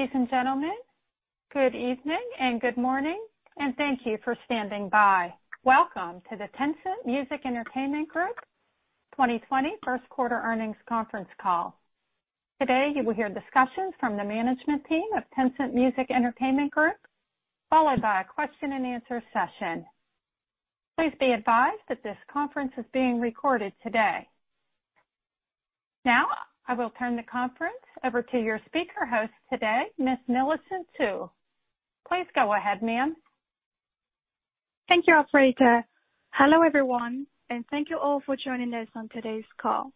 Ladies and gentlemen, good evening and good morning, and thank you for standing by. Welcome to the Tencent Music Entertainment Group 2020 first quarter earnings conference call. Today, you will hear discussions from the management team of Tencent Music Entertainment Group, followed by a question-and-answer session. Please be advised that this conference is being recorded today. Now, I will turn the conference over to your speaker host today, Ms. Millicent Tu. Please go ahead, ma'am. Thank you, operator. Hello, everyone, and thank you all for joining us on today's call.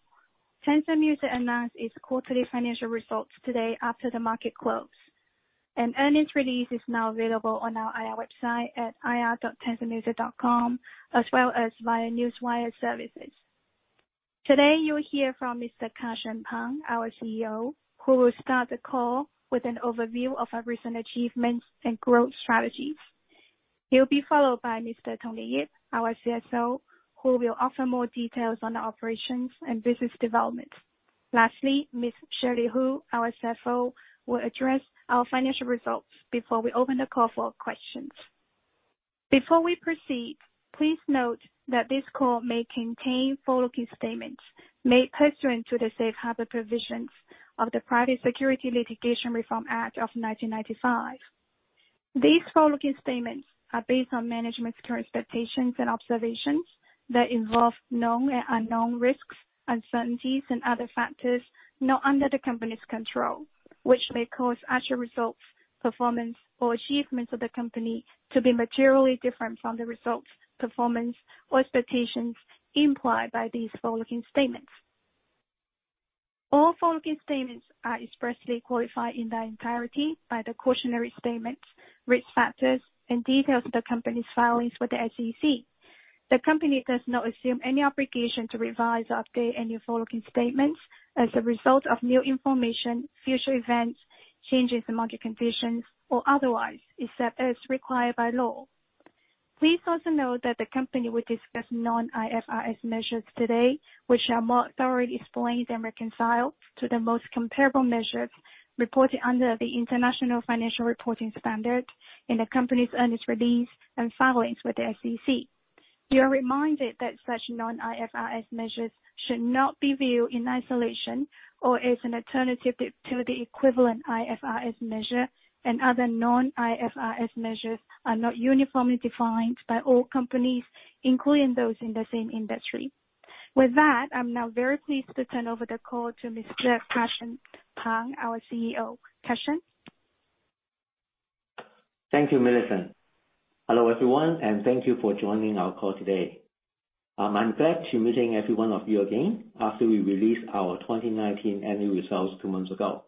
Tencent Music announced its quarterly financial results today after the market close. An earnings release is now available on our IR website at ir.tencentmusic.com, as well as via Newswire services. Today, you'll hear from Mr. Cussion Pang, our CEO, who will start the call with an overview of our recent achievements and growth strategies. He'll be followed by Mr. Tony Yip, our CSO, who will offer more details on our operations and business development. Lastly, Ms. Shirley Hu, our CFO, will address our financial results before we open the call for questions. Before we proceed, please note that this call may contain forward-looking statements made pursuant to the safe harbor provisions of the Private Securities Litigation Reform Act of 1995. These forward-looking statements are based on management's current expectations and observations that involve known and unknown risks, uncertainties, and other factors not under the company's control, which may cause actual results, performance, or achievements of the company to be materially different from the results, performance, or expectations implied by these forward-looking statements. All forward-looking statements are expressly qualified in their entirety by the cautionary statements, risk factors, and details of the company's filings with the SEC. The company does not assume any obligation to revise, update any forward-looking statements as a result of new information, future events, changes in market conditions, or otherwise, except as required by law. Please also note that the company will discuss non-IFRS measures today, which are more thoroughly explained and reconciled to the most comparable measures reported under the International Financial Reporting Standards in the company's earnings release and filings with the SEC. You are reminded that such non-IFRS measures should not be viewed in isolation or as an alternative to the equivalent IFRS measure and other non-IFRS measures are not uniformly defined by all companies, including those in the same industry. With that, I'm now very pleased to turn over the call to Mr. Cussion Pang, our CEO. Cussion. Thank you, Millicent. Hello, everyone, and thank you for joining our call today. I'm glad to meeting every one of you again after we released our 2019 annual results two months ago.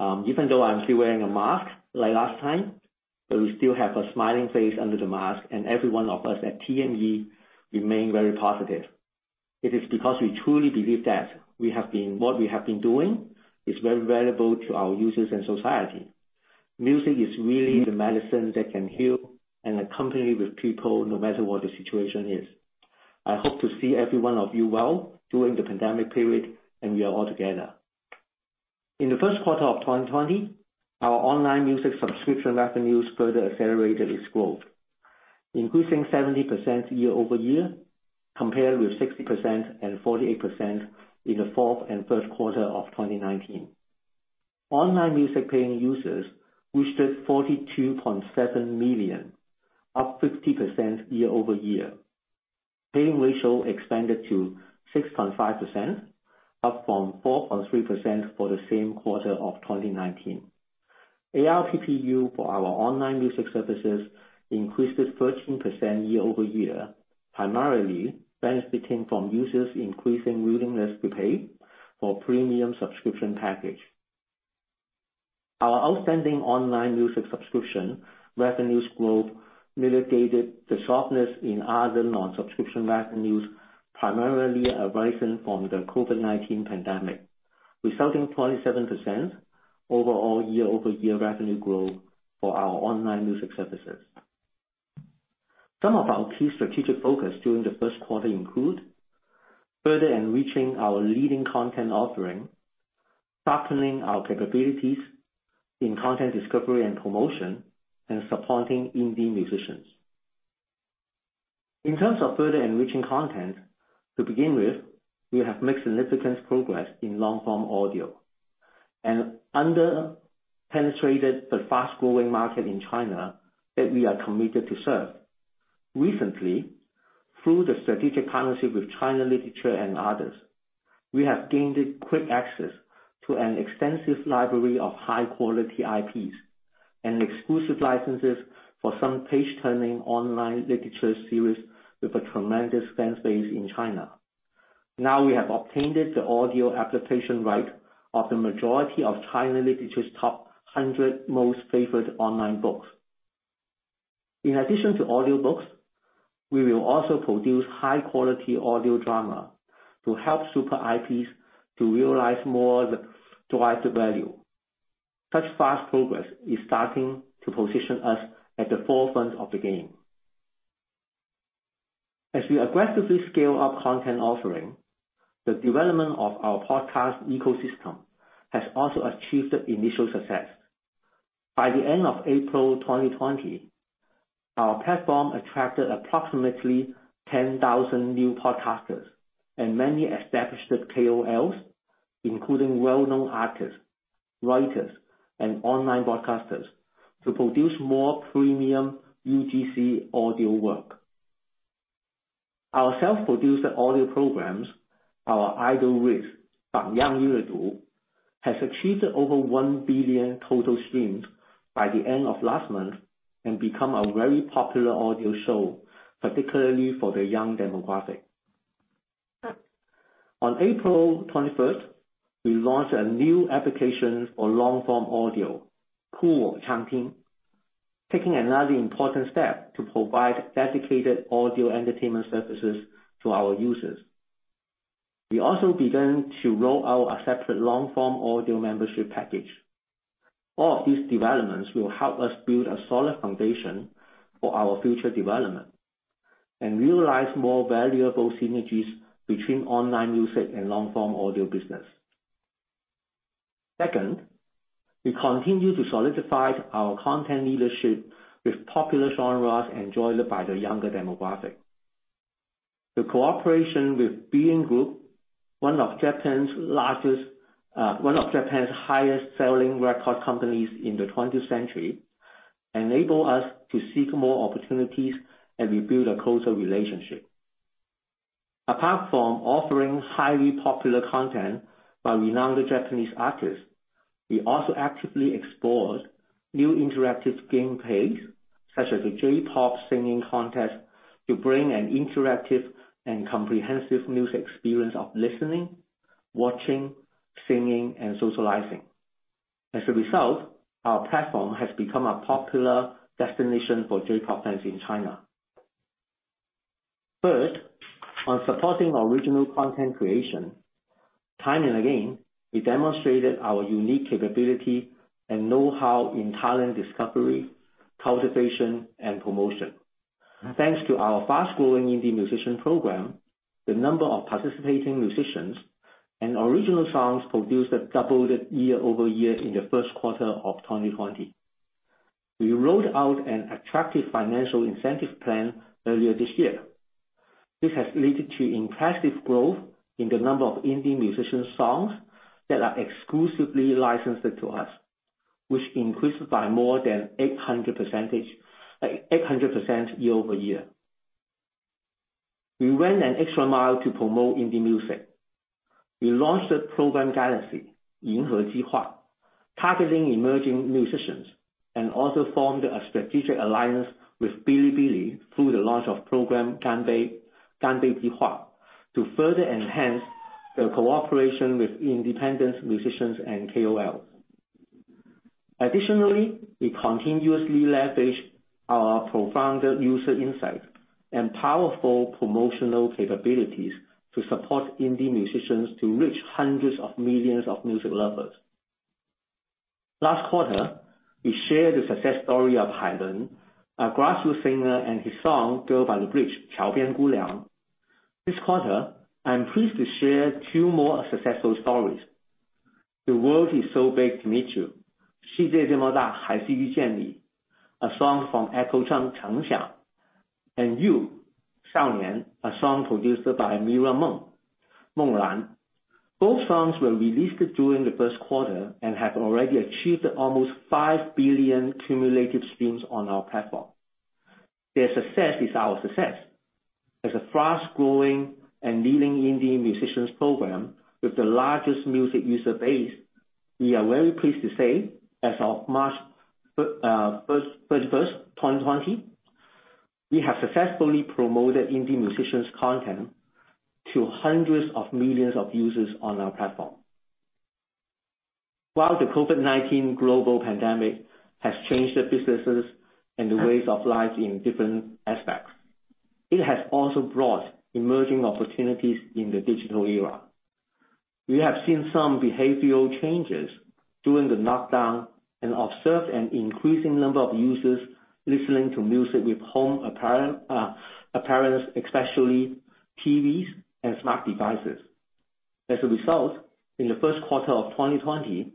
Even though I'm still wearing a mask like last time, but we still have a smiling face under the mask, and every one of us at TME remain very positive. It is because we truly believe that what we have been doing is very valuable to our users and society. Music is really the medicine that can heal and accompany with people no matter what the situation is. I hope to see every one of you well during the pandemic period, and we are all together. In the first quarter of 2020, our online music subscription revenues further accelerated its growth, increasing 17% year-over-year, compared with 60% and 48% in the fourth and third quarter of 2019. Online music paying users reached 42.7 million, up 50% year-over-year. Paying ratio expanded to 6.5%, up from 4.3% for the same quarter of 2019. ARPU for our online music services increased 13% year-over-year, primarily benefiting from users' increasing willingness to pay for premium subscription package. Our outstanding online music subscription revenues growth mitigated the softness in other non-subscription revenues, primarily arising from the COVID-19 pandemic, resulting 27% overall year-over-year revenue growth for our online music services. Some of our key strategic focus during the first quarter include further enriching our leading content offering, deepening our capabilities in content discovery and promotion, and supporting indie musicians. In terms of further enriching content, to begin with, we have made significant progress in long-form audio and under-penetrated the fast-growing market in China that we are committed to serve. Recently, through the strategic partnership with China Literature and others, we have gained quick access to an extensive library of high-quality IPs and exclusive licenses for some page-turning online literature series with a tremendous fan base in China. Now we have obtained the audio adaptation right of the majority of China Literature's top 100 most favored online books. In addition to audiobooks, we will also produce high-quality audio drama to help super IPs to realize more derived value. Such fast progress is starting to position us at the forefront of the game. As we aggressively scale up content offering, the development of our podcast ecosystem has also achieved initial success. By the end of April 2020, our platform attracted approximately 10,000 new podcasters and many established KOLs, including well-known artists, writers, and online broadcasters, to produce more premium UGC audio work. Our self-produced audio programs, our Idol Rhythms, "Fan Yin Yue Du," has achieved over 1 billion total streams by the end of last month and become a very popular audio show, particularly for the young demographic. On April 21st, we launched a new application for long-form audio, Kuwo Changting, taking another important step to provide dedicated audio entertainment services to our users. We also began to roll out a separate long-form audio membership package. All of these developments will help us build a solid foundation for our future development and realize more valuable synergies between online music and long-form audio business. Second, we continue to solidify our content leadership with popular genres enjoyed by the younger demographic. The cooperation with Being Group, one of Japan's highest-selling record companies in the 20th century, enable us to seek more opportunities and we build a closer relationship. Apart from offering highly popular content by renowned Japanese artists, we also actively explored new interactive gameplays, such as the J-pop singing contest, to bring an interactive and comprehensive music experience of listening, watching, singing, and socializing. As a result, our platform has become a popular destination for J-pop fans in China. First, on supporting original content creation, time and again, we demonstrated our unique capability and know-how in talent discovery, cultivation, and promotion. Thanks to our fast-growing indie musician program, the number of participating musicians and original songs produced doubled year-over-year in the first quarter of 2020. We rolled out an attractive financial incentive plan earlier this year. This has led to impressive growth in the number of indie musician songs that are exclusively licensed to us, which increased by more than 800% year-over-year. We went an extra mile to promote indie music. We launched the program Galaxy, "Yinhe Jihua," targeting emerging musicians and also formed a strategic alliance with Bilibili through the launch of program "Ganbei Jihua" to further enhance their cooperation with independent musicians and KOLs. Additionally, we continuously leverage our profound user insights and powerful promotional capabilities to support indie musicians to reach 100s of millions of music lovers. Last quarter, we shared the success story of Hai Lun, a grassroots singer, and his song, "Girl by the Bridge," "Qiao Bian Guniang." This quarter, I'm pleased to share two more successful stories. The World is So Big to Meet You," "Shi Jie Zhe Me Da Hai Shi Yu Jian Ni," a song from Cheng Xiang, "Cheng Xiang," and "You," "Shao Nian," a song produced by Meng Jia, "Meng Ran." Both songs were released during the first quarter and have already achieved almost 5 billion cumulative streams on our platform. Their success is our success. As a fast-growing and leading indie musicians program with the largest music user base, we are very pleased to say, as of March 31st, 2020, we have successfully promoted indie musicians content to 100s of millions of users on our platform. While the COVID-19 global pandemic has changed the businesses and the ways of life in different aspects, it has also brought emerging opportunities in the digital era. We have seen some behavioral changes during the lockdown and observed an increasing number of users listening to music with home apparatus, especially TVs and smart devices. As a result, in the first quarter of 2020,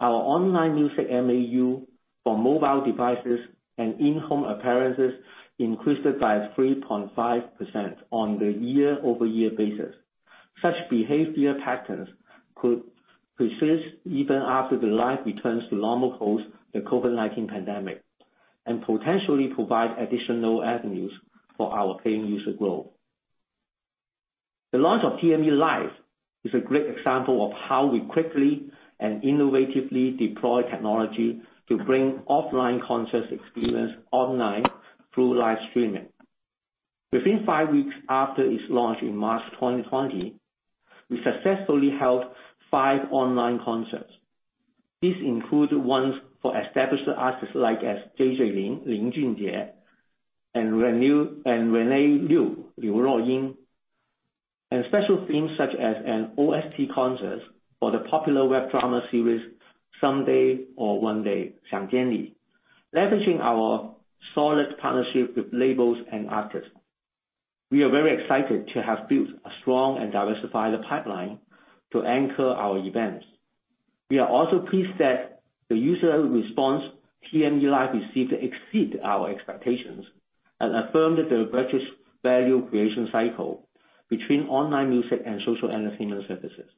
our online music MAU for mobile devices and in-home appliances increased by 3.5% on the year-over-year basis. Such behavior patterns could persist even after the life returns to normal post the COVID-19 pandemic, and potentially provide additional avenues for our paying user growth. The launch of TME Live is a great example of how we quickly and innovatively deploy technology to bring offline concert experience online through live streaming. Within five weeks after its launch in March 2020, we successfully held five online concerts. This included ones for established artists like J.J. Lin, "Lin Jun Jie," and Rene Liu, "Liu Ruo Ying." Special themes such as an OST concert for the popular web drama series, Someday or One Day: Xiang Jian Ni, leveraging our solid partnership with labels and artists. We are very excited to have built a strong and diversified pipeline to anchor our events. We are also pleased that the user TME Live received exceed our expectations and affirmed the virtuous value creation cycle between online music and social entertainment services.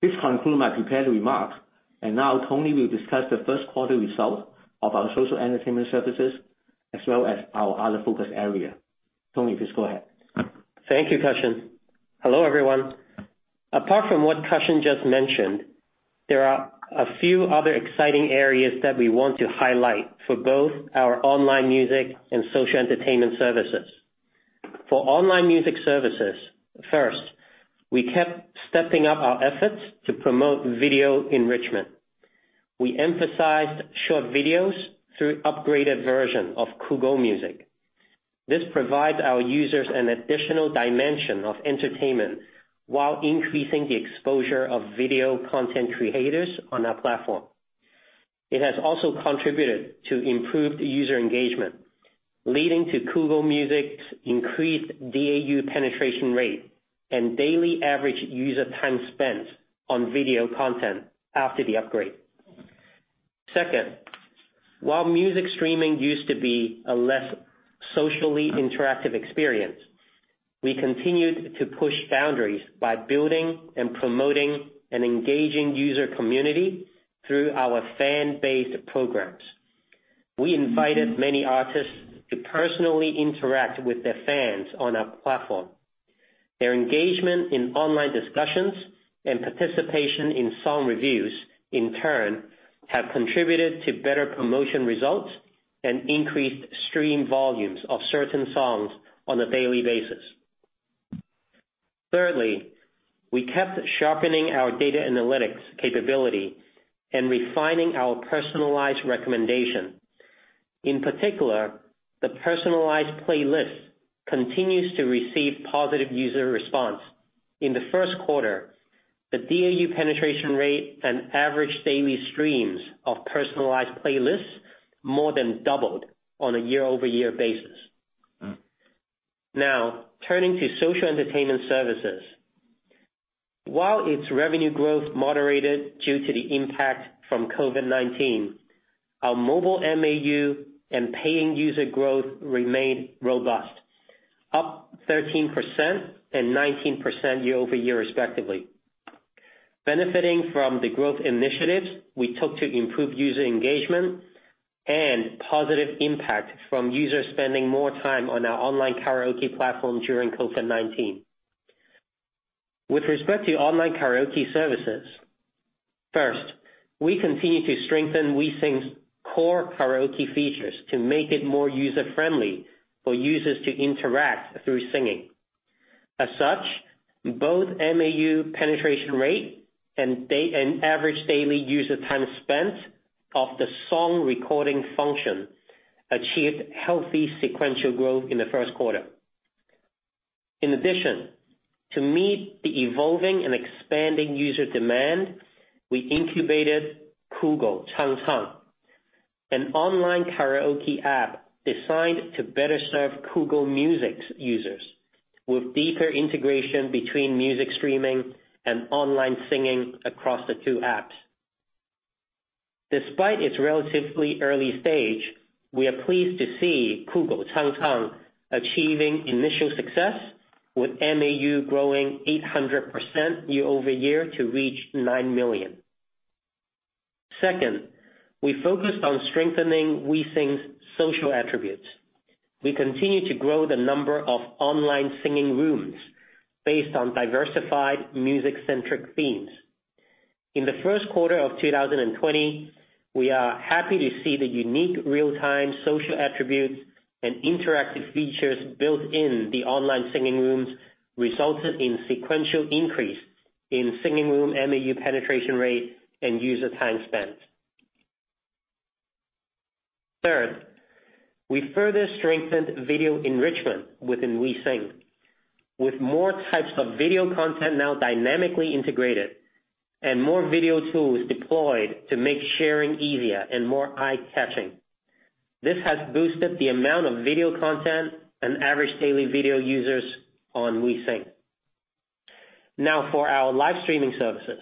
This concludes my prepared remarks, and now Tony will discuss the first quarter result of our social entertainment services, as well as our other focus area. Tony, please go ahead. Thank you, Cussion. Hello, everyone. Apart from what Cussion just mentioned, there are a few other exciting areas that we want to highlight for both our online music and social entertainment services. For online music services, first, we kept stepping up our efforts to promote video enrichment. We emphasized short videos through upgraded version of Kugou Music. This provides our users an additional dimension of entertainment while increasing the exposure of video content creators on our platform. It has also contributed to improved user engagement, leading to Kugou Music's increased DAU penetration rate and daily average user time spent on video content after the upgrade. Second, while music streaming used to be a less socially interactive experience, we continued to push boundaries by building and promoting an engaging user community through our fan-based programs. We invited many artists to personally interact with their fans on our platform. Their engagement in online discussions and participation in song reviews, in turn, have contributed to better promotion results and increased stream volumes of certain songs on a daily basis. Thirdly, we kept sharpening our data analytics capability and refining our personalized recommendation. In particular, the personalized playlist continues to receive positive user response. In the first quarter, the DAU penetration rate and average daily streams of personalized playlists more than doubled on a year-over-year basis. Now, turning to social entertainment services. While its revenue growth moderated due to the impact from COVID-19, our mobile MAU and paying user growth remained robust, up 13% and 19% year-over-year respectively, benefiting from the growth initiatives we took to improve user engagement and positive impact from users spending more time on our online karaoke platform during COVID-19. With respect to online karaoke services, first, we continue to strengthen WeSing's core karaoke features to make it more user-friendly for users to interact through singing. As such, both MAU penetration rate and average daily user time spent of the song recording function achieved healthy sequential growth in the first quarter. In addition, to meet the evolving and expanding user demand, we incubated Kugou Changge, an online karaoke app designed to better serve Kugou Music's users with deeper integration between music streaming and online singing across the two apps. Despite its relatively early stage, we are pleased to see Kugou Changge achieving initial success with MAU growing 800% year-over-year to reach 9 million. Second, we focused on strengthening WeSing's social attributes. We continue to grow the number of online singing rooms based on diversified music-centric themes. In the first quarter of 2020, we are happy to see the unique real-time social attributes and interactive features built in the online singing rooms resulted in sequential increase in singing room MAU penetration rate and user time spent. Third, we further strengthened video enrichment within WeSing. With more types of video content now dynamically integrated and more video tools deployed to make sharing easier and more eye-catching. This has boosted the amount of video content and average daily video users on WeSing. Now for our live streaming services.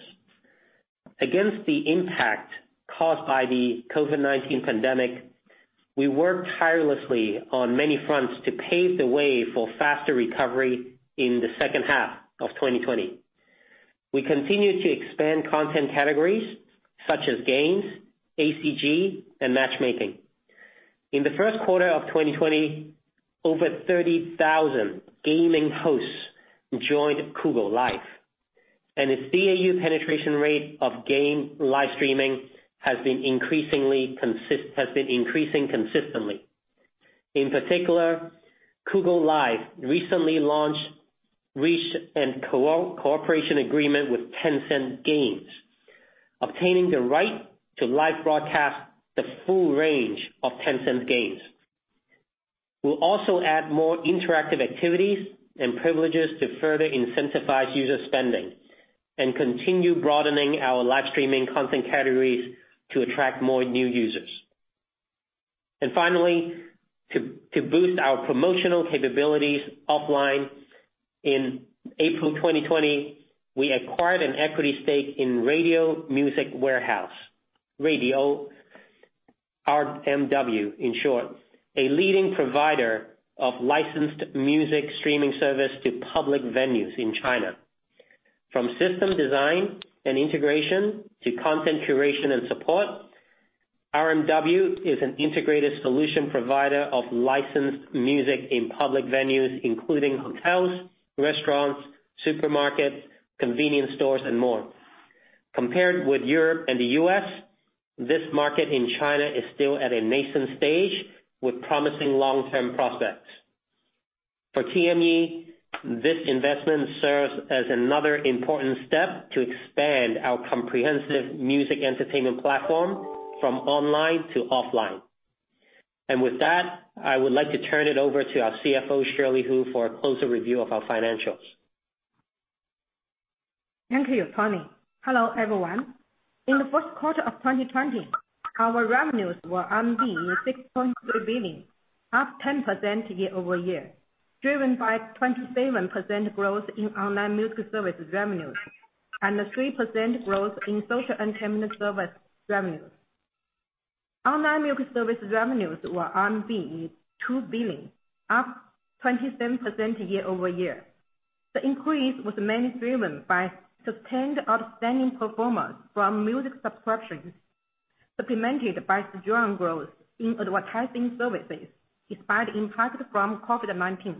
Against the impact caused by the COVID-19 pandemic, we worked tirelessly on many fronts to pave the way for faster recovery in the second half of 2020. We continue to expand content categories such as games, ACG, and matchmaking. In the first quarter of 2020, over 30,000 gaming hosts joined Kugou Live, and its DAU penetration rate of game live streaming has been increasing consistently. In particular, Kugou Live recently reached a cooperation agreement with Tencent Games obtaining the right to live broadcast the full range of Tencent's games. We'll also add more interactive activities and privileges to further incentivize user spending, and continue broadening our live streaming content categories to attract more new users. Finally, to boost our promotional capabilities offline, in April 2020, we acquired an equity stake in Radio Music Warehouse, Radio RMW, in short, a leading provider of licensed music streaming service to public venues in China. From system design and integration to content curation and support, RMW is an integrated solution provider of licensed music in public venues, including hotels, restaurants, supermarkets, convenience stores, and more. Compared with Europe and the U.S., this market in China is still at a nascent stage, with promising long-term prospects. For TME, this investment serves as another important step to expand our comprehensive music entertainment platform from online to offline. With that, I would like to turn it over to our CFO, Shirley Hu, for a closer review of our financials. Thank you, Tony. Hello, everyone. In the first quarter of 2020, our revenues were 6.3 billion, up 10% year-over-year, driven by 27% growth in online music service revenues, and 3% growth in social entertainment service revenues. Online music service revenues were 2 billion, up 27% year-over-year. The increase was mainly driven by sustained outstanding performance from music subscriptions, supplemented by strong growth in advertising services, despite impact from COVID-19,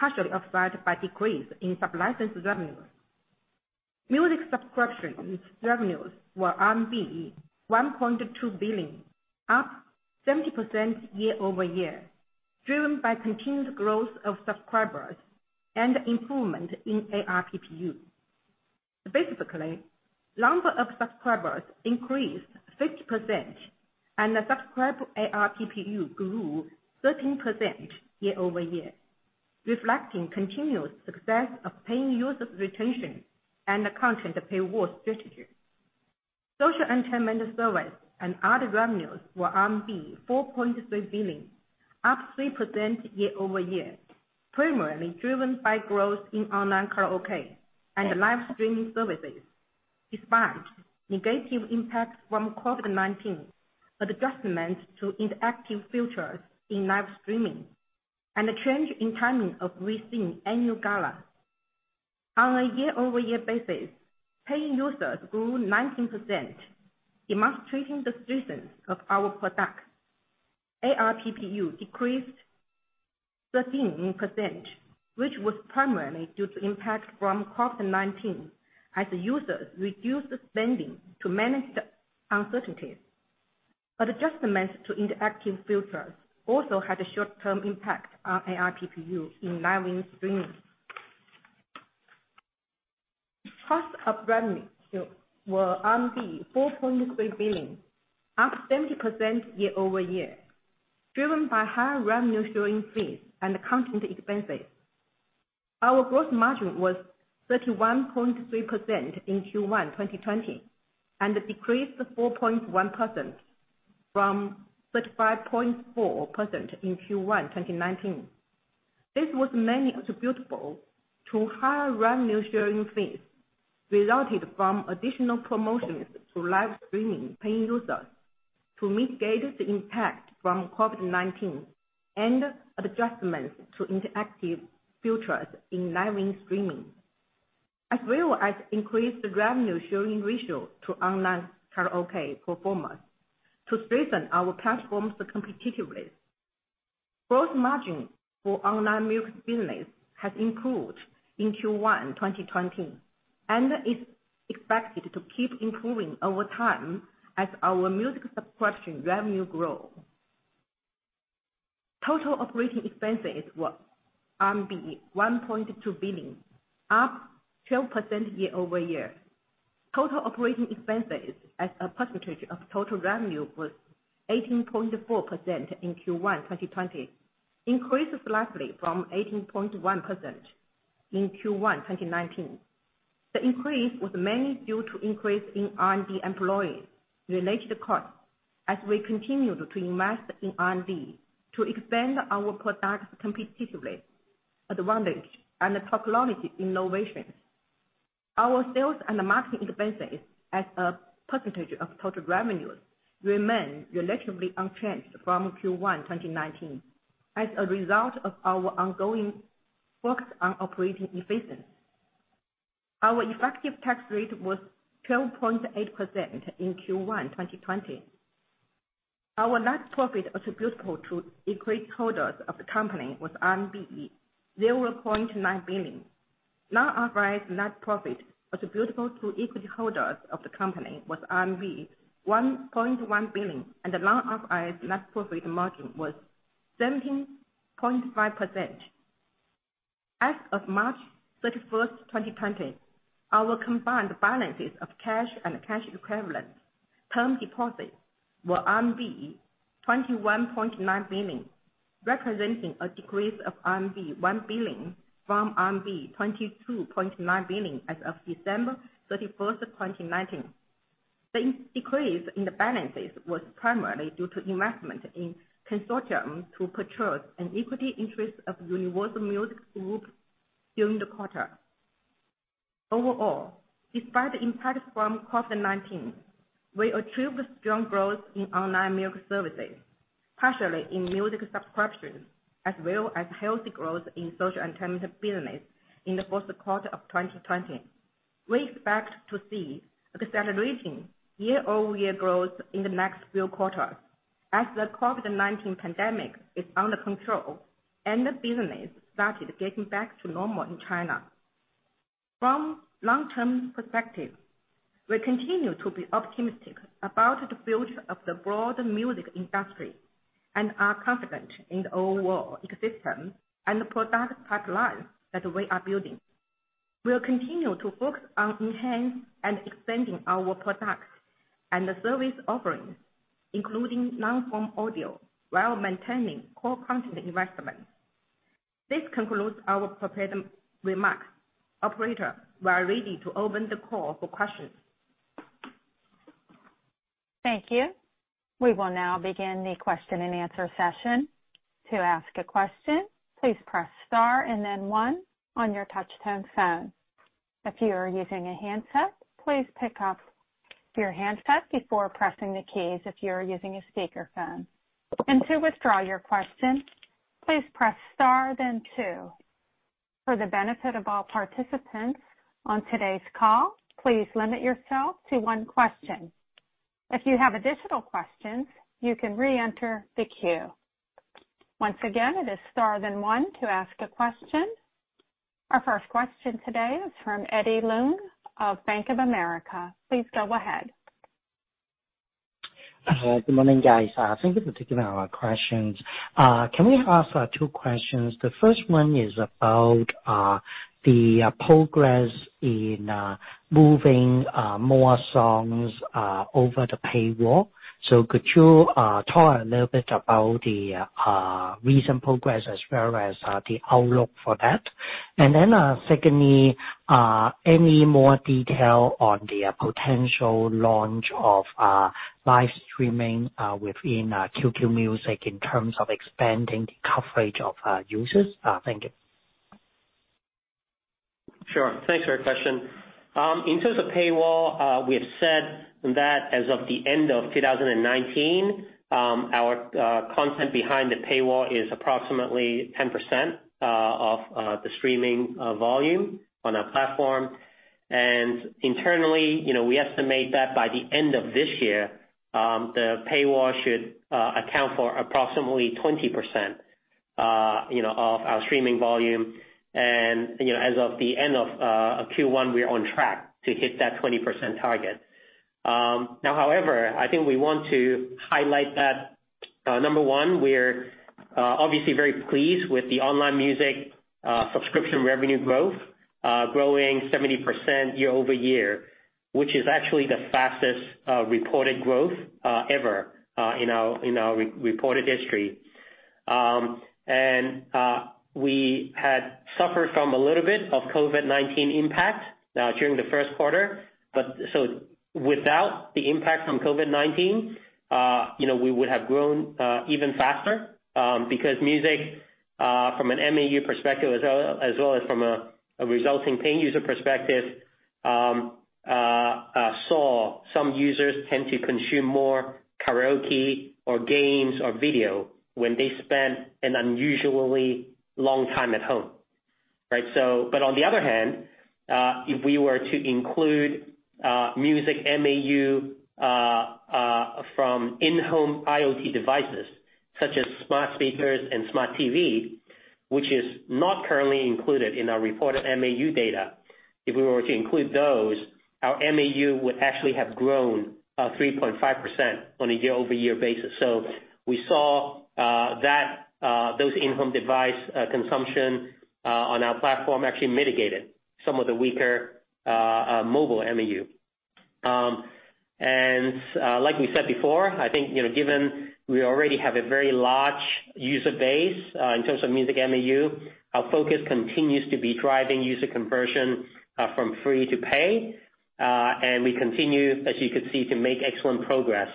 partially offset by decrease in sublicense revenues. Music subscriptions revenues were RMB 1.2 billion, up 17% year-over-year, driven by continued growth of subscribers and improvement in ARPPU. Basically, number of subscribers increased 50%, and the subscriber ARPPU grew 13% year-over-year, reflecting continued success of paying users retention and the content paywall strategy. Social entertainment service and other revenues were 4.3 billion, up 3% year-over-year, primarily driven by growth in online karaoke and live streaming services, despite negative impacts from COVID-19, adjustments to interactive features in live streaming, and a change in timing of recent annual gala. On a year-over-year basis, paying users grew 19%, demonstrating the strength of our product. ARPPU decreased 13%, which was primarily due to impact from COVID-19 as users reduced spending to manage the uncertainties. Adjustments to interactive features also had a short-term impact on ARPPU in live streaming. Cost of revenue were RMB 4.3 billion, up 17% year-over-year, driven by higher revenue sharing fees and content expenses. Our gross margin was 31.3% in Q1 2020, and decreased 4.1% from 35.4% in Q1 2019. This was mainly attributable to higher revenue sharing fees resulted from additional promotions to live streaming paying users to mitigate the impact from COVID-19 and adjustments to interactive features in live streaming, as well as increased revenue sharing ratio to online karaoke performers to strengthen our platform's competitiveness. Gross margin for online music business has improved in Q1 2020, and is expected to keep improving over time as our music subscription revenue grow. Total operating expenses were RMB 1.2 billion, up 12% year-over-year. Total operating expenses as a percentage of total revenue was 18.4% in Q1 2020, increased slightly from 18.1% in Q1 2019. The increase was mainly due to increase in R&D employees related costs as we continued to invest in R&D to expand our product competitiveness advantage and technology innovations. Our sales and marketing expenses as a % of total revenues remain relatively unchanged from Q1 2019 as a result of our ongoing focus on operating efficiency. Our effective tax rate was 12.8% in Q1 2020. Our net profit attributable to equity holders of the company was 0.9 billion. Non-GAAP net profit attributable to equity holders of the company was 1.1 billion, and the Non-GAAP net profit margin was 17.5%. As of March 31st, 2020, our combined balances of cash and cash equivalents term deposits were 21.9 billion, representing a decrease of 1 billion RMB from 22.9 billion RMB as of December 31st, 2019. The decrease in the balances was primarily due to investment in consortium to purchase an equity interest of Universal Music Group during the quarter. Overall, despite the impact from COVID-19, we achieved strong growth in online music services, partially in music subscriptions, as well as healthy growth in social entertainment business in the first quarter of 2020. We expect to see accelerating year-over-year growth in the next few quarters as the COVID-19 pandemic is under control and the business started getting back to normal in China. From long-term perspective, we continue to be optimistic about the future of the broader music industry, and are confident in the overall ecosystem and product pipeline that we are building. We'll continue to focus on enhancing and expanding our product and service offerings, including long-form audio, while maintaining core content investments. This concludes our prepared remarks. Operator, we are ready to open the call for questions. Thank you. We will now begin the question-and-answer session. To ask a question, please press star and then one on your touch tone phone. If you are using a handset, please pick up your handset before pressing the keys if you are using a speakerphone. To withdraw your question, please press star then two. For the benefit of all participants on today's call, please limit yourself to one question. If you have additional questions, you can reenter the queue. Once again, it is star then one to ask a question. Our first question today is from Eddie Leung of Bank of America. Please go ahead. Good morning, guys. Thank you for taking our questions. Can we ask two questions? The first one is about the progress in moving more songs over the paywall. Could you talk a little bit about the recent progress as well as the outlook for that? Secondly, any more detail on the potential launch of live streaming within QQ Music in terms of expanding the coverage of users? Thank you. Sure. Thanks for your question. In terms of paywall, we have said that as of the end of 2019, our content behind the paywall is approximately 10% of the streaming volume on our platform. Internally, we estimate that by the end of this year, the paywall should account for approximately 20% of our streaming volume. As of the end of Q1, we are on track to hit that 20% target. However, I think we want to highlight that, number one, we're obviously very pleased with the online music subscription revenue growth, growing 17% year-over-year, which is actually the fastest reported growth ever in our reported history. We had suffered from a little bit of COVID-19 impact during the first quarter. Without the impact from COVID-19 we would have grown even faster, because music, from an MAU perspective as well as from a resulting paying user perspective, saw some users tend to consume more karaoke or games or video when they spend an unusually long time at home. Right? On the other hand, if we were to include music MAU from in-home IoT devices, such as smart speakers and smart TV, which is not currently included in our reported MAU data. If we were to include those, our MAU would actually have grown 3.5% on a year-over-year basis. We saw those in-home device consumption on our platform actually mitigated some of the weaker mobile MAU. Like we said before, I think, given we already have a very large user base in terms of Music MAU, our focus continues to be driving user conversion from free to pay. We continue, as you could see, to make excellent progress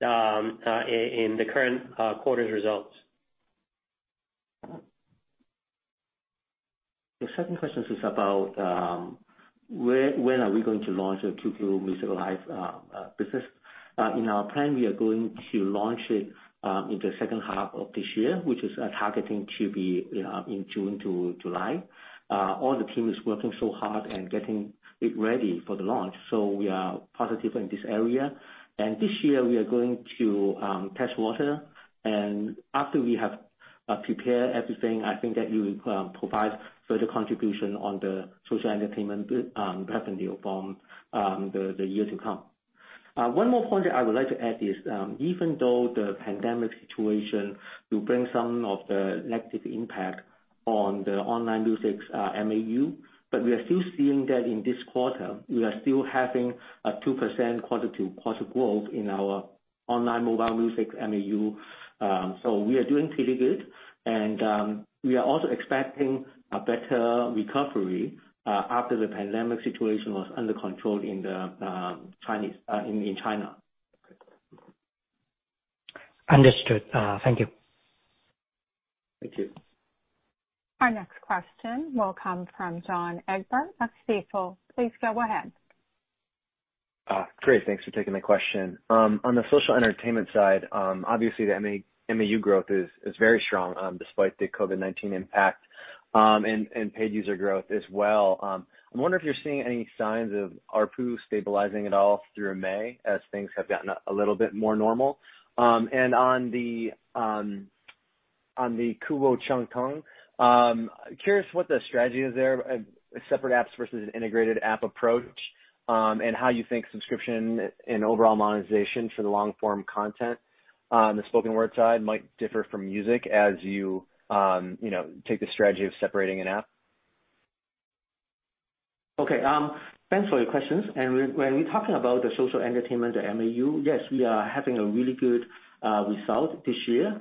in the current quarter's results. The second question is about when are we going to launch the QQ Music Live business. In our plan, we are going to launch it in the second half of this year, which is targeting to be in June to July. All the team is working so hard and getting it ready for the launch. We are positive in this area. This year, we are going to test water. After we have prepared everything, I think that will provide further contribution on the social entertainment revenue from the year to come. One more point that I would like to add is, even though the pandemic situation do bring some of the negative impact on the online music's MAU, but we are still seeing that in this quarter, we are still having a 2% quarter-to-quarter growth in our online mobile music MAU. We are doing pretty good. We are also expecting a better recovery after the pandemic situation was under control in China. Understood. Thank you. Thank you. Our next question will come from John Egbert of Stifel. Please go ahead. Great. Thanks for taking the question. On the social entertainment side, obviously, the MAU growth is very strong despite the COVID-19 impact, and paid user growth as well. I wonder if you're seeing any signs of ARPU stabilizing at all through May as things have gotten a little bit more normal. On the Kugou Changge, curious what the strategy is there, separate apps versus an integrated app approach, and how you think subscription and overall monetization for the long-form content on the spoken word side might differ from music as you take the strategy of separating an app? Okay. Thanks for your questions. When we're talking about the social entertainment MAU, yes, we are having a really good result this year,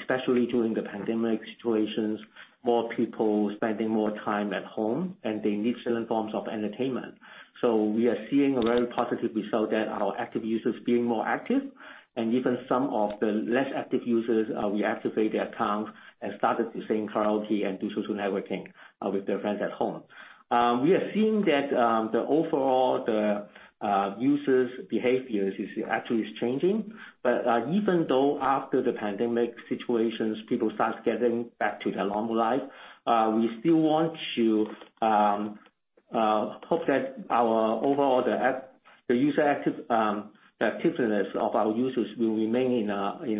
especially during the pandemic situations. More people spending more time at home, and they need certain forms of entertainment. We are seeing a very positive result that our active users being more active. Even some of the less active users, we activate their accounts and started using karaoke and do social networking with their friends at home. We are seeing that the overall user behaviors is actually changing. Even though after the pandemic situations, people start getting back to their normal life, we still want to hope that the activeness of our users will remain in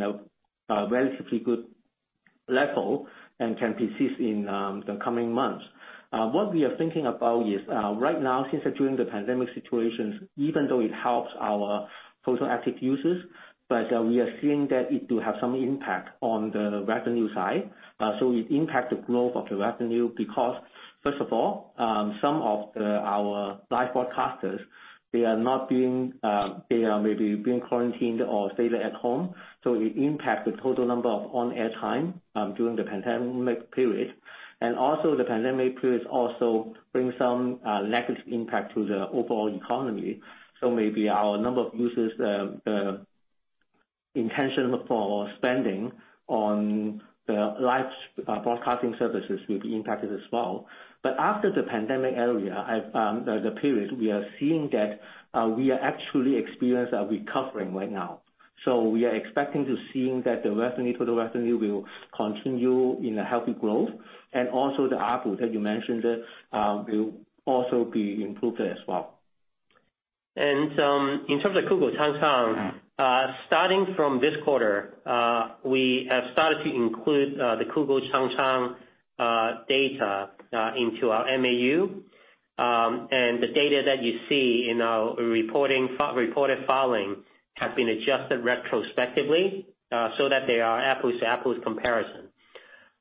a relatively good level and can persist in the coming months. What we are thinking about is, right now, since during the pandemic situations, even though it helps our total active users, we are seeing that it do have some impact on the revenue side. It impact the growth of the revenue because, first of all, some of our live broadcasters, they are maybe being quarantined or staying at home, so it impact the total number of on-air time during the pandemic period. Also, the pandemic period also bring some negative impact to the overall economy. Maybe our number of users intention for spending on the live broadcasting services will be impacted as well. After the pandemic area, the period, we are seeing that we are actually experience a recovering right now. We are expecting to seeing that the total revenue will continue in a healthy growth, and also the ARPU that you mentioned will also be improved as well. In terms of Kugou Changge, starting from this quarter, we have started to include the Kugou Changge data into our MAU. The data that you see in our reported following have been adjusted retrospectively so that they are apples-to-apples comparison.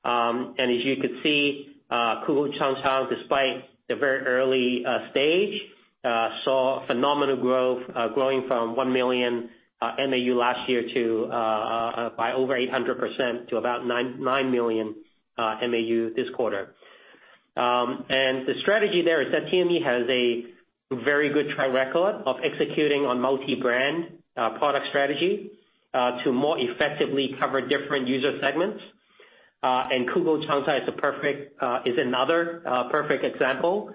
As you could see, Kugou Changge, despite the very early stage, saw phenomenal growth growing from 1 million MAU last year by over 800% to about 9 million MAU this quarter. The strategy there is that TME has a very good track record of executing on multi-brand product strategy to more effectively cover different user segments. Kugou Changge is another perfect example,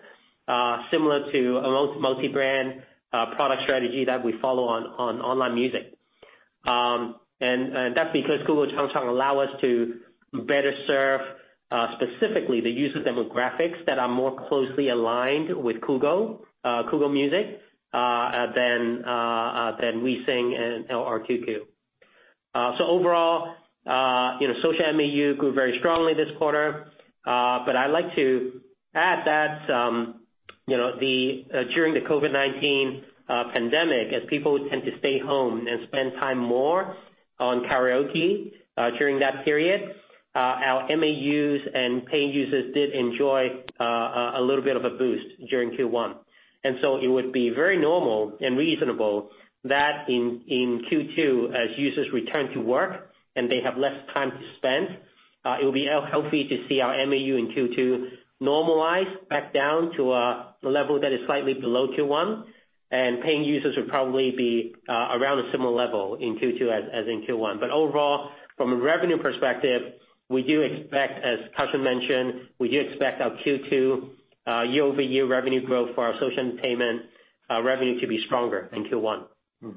similar to a multi-brand product strategy that we follow on online music. That's because Kugou Changge allow us to better serve specifically the user demographics that are more closely aligned with Kugou Music than WeSing and QQ Music. Overall, social MAU grew very strongly this quarter. I like to add that during the COVID-19 pandemic, as people tend to stay home and spend time more on karaoke during that period, our MAUs and paying users did enjoy a little bit of a boost during Q1. It would be very normal and reasonable that in Q2, as users return to work and they have less time to spend, it will be healthy to see our MAU in Q2 normalize back down to a level that is slightly below Q1. Paying users would probably be around a similar level in Q2 as in Q1. Overall, from a revenue perspective, as Cussion mentioned, we do expect our Q2 year-over-year revenue growth for our social entertainment revenue to be stronger than Q1. You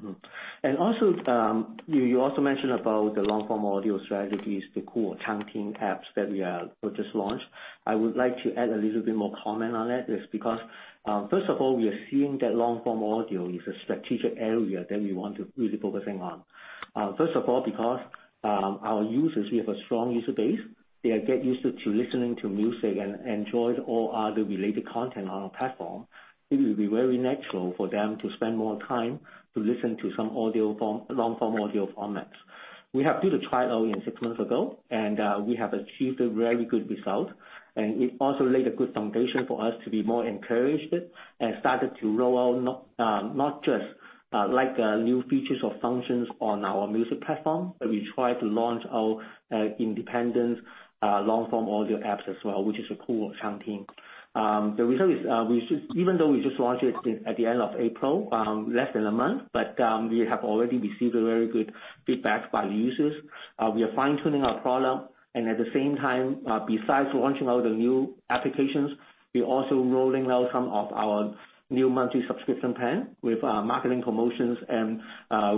also mentioned about the long-form audio strategies, the Kugou Changge apps that we have just launched. I would like to add a little bit more comment on it is because, first of all, we are seeing that long-form audio is a strategic area that we want to really focusing on. First of all, because our users, we have a strong user base. They get used to listening to music and enjoy all other related content on our platform. It will be very natural for them to spend more time to listen to some long-form audio formats. We have done a trial six months ago, and we have achieved a very good result. It also laid a good foundation for us to be more encouraged and started to roll out not just new features or functions on our music platform, but we try to launch our independent long-form audio apps as well, which is Kuwo Changting. The reason is, even though we just launched it at the end of April, less than a month, but we have already received very good feedback from the users. We are fine-tuning our product. At the same time, besides launching all the new applications, we're also rolling out some of our new monthly subscription plans with marketing promotions and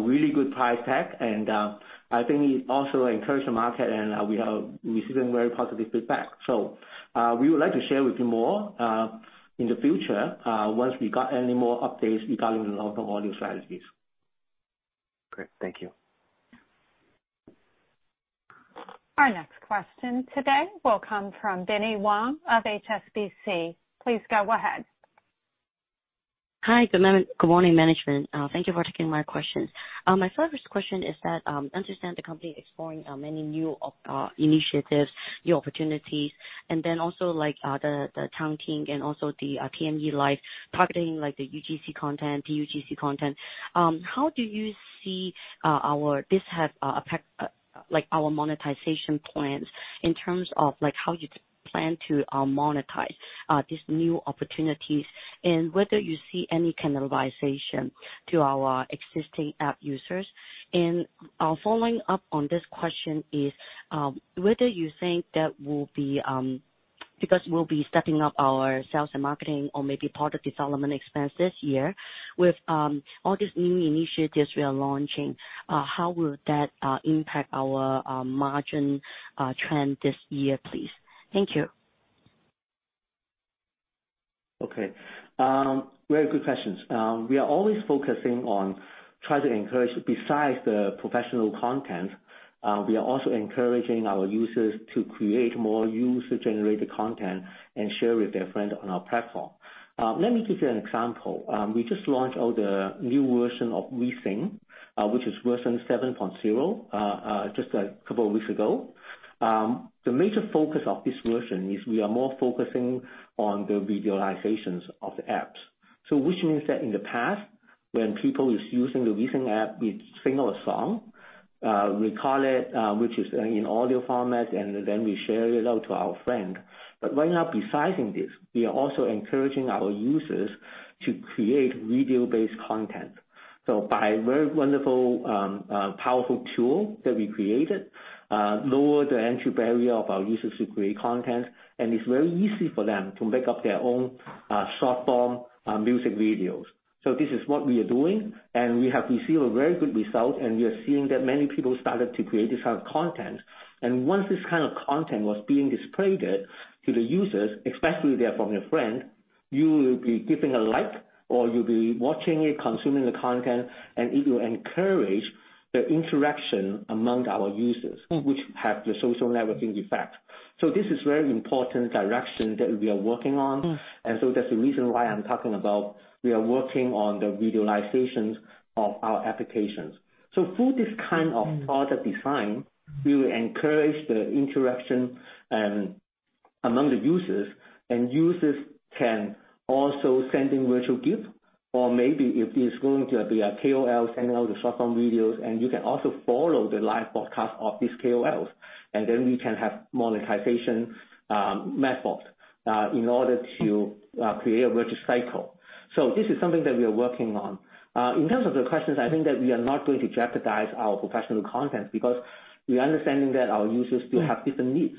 really good price tags. I think it also encouraged the market, and we are receiving very positive feedback. We would like to share with you more in the future once we got any more updates regarding long-form audio strategies. Great. Thank you. Our next question today will come from Binnie Wong of HSBC. Please go ahead. Hi, good morning, management. Thank you for taking my questions. My first question is that I understand the company is exploring many new initiatives, new opportunities, and then also the Changge and also the TME Live targeting the UGC content, the PGC content. How do you see this have impact our monetization plans in terms of how you plan to monetize these new opportunities and whether you see any cannibalization to our existing app users? Following up on this question is, whether you think that because we'll be stepping up our sales and marketing or maybe product development expense this year with all these new initiatives we are launching, how will that impact our margin trend this year, please? Thank you. Okay. Very good questions. We are always focusing on trying to encourage, besides the professional content, we are also encouraging our users to create more user-generated content and share with their friends on our platform. Let me give you an example. We just launched all the new version of WeSing, which is version 7.0, just a couple of weeks ago. The major focus of this version is we are more focusing on the visualizations of the apps. Which means that in the past, when people is using the WeSing app, we'd sing a song, record it, which is in audio format, and then we share it out to our friend. Right now, besides this, we are also encouraging our users to create video-based content. By very wonderful, powerful tool that we created, lower the entry barrier of our users to create content, and it's very easy for them to make up their own short-form music videos. This is what we are doing, and we have received a very good result, and we are seeing that many people started to create this kind of content. Once this kind of content was being displayed to the users, especially if they are from your friend, you will be giving a like, or you'll be watching it, consuming the content, and it will encourage the interaction among our users, which have the social networking effect. This is very important direction that we are working on. That's the reason why I'm talking about we are working on the visualizations of our applications. Through this kind of product design. We will encourage the interaction among the users can also send in virtual gift, or maybe if it's going to be a KOL sending out the short-form videos, you can also follow the live broadcast of these KOLs. We can have monetization methods in order to create a virtual cycle. This is something that we are working on. In terms of the questions, I think that we are not going to jeopardize our professional content because we are understanding that our users do have different needs.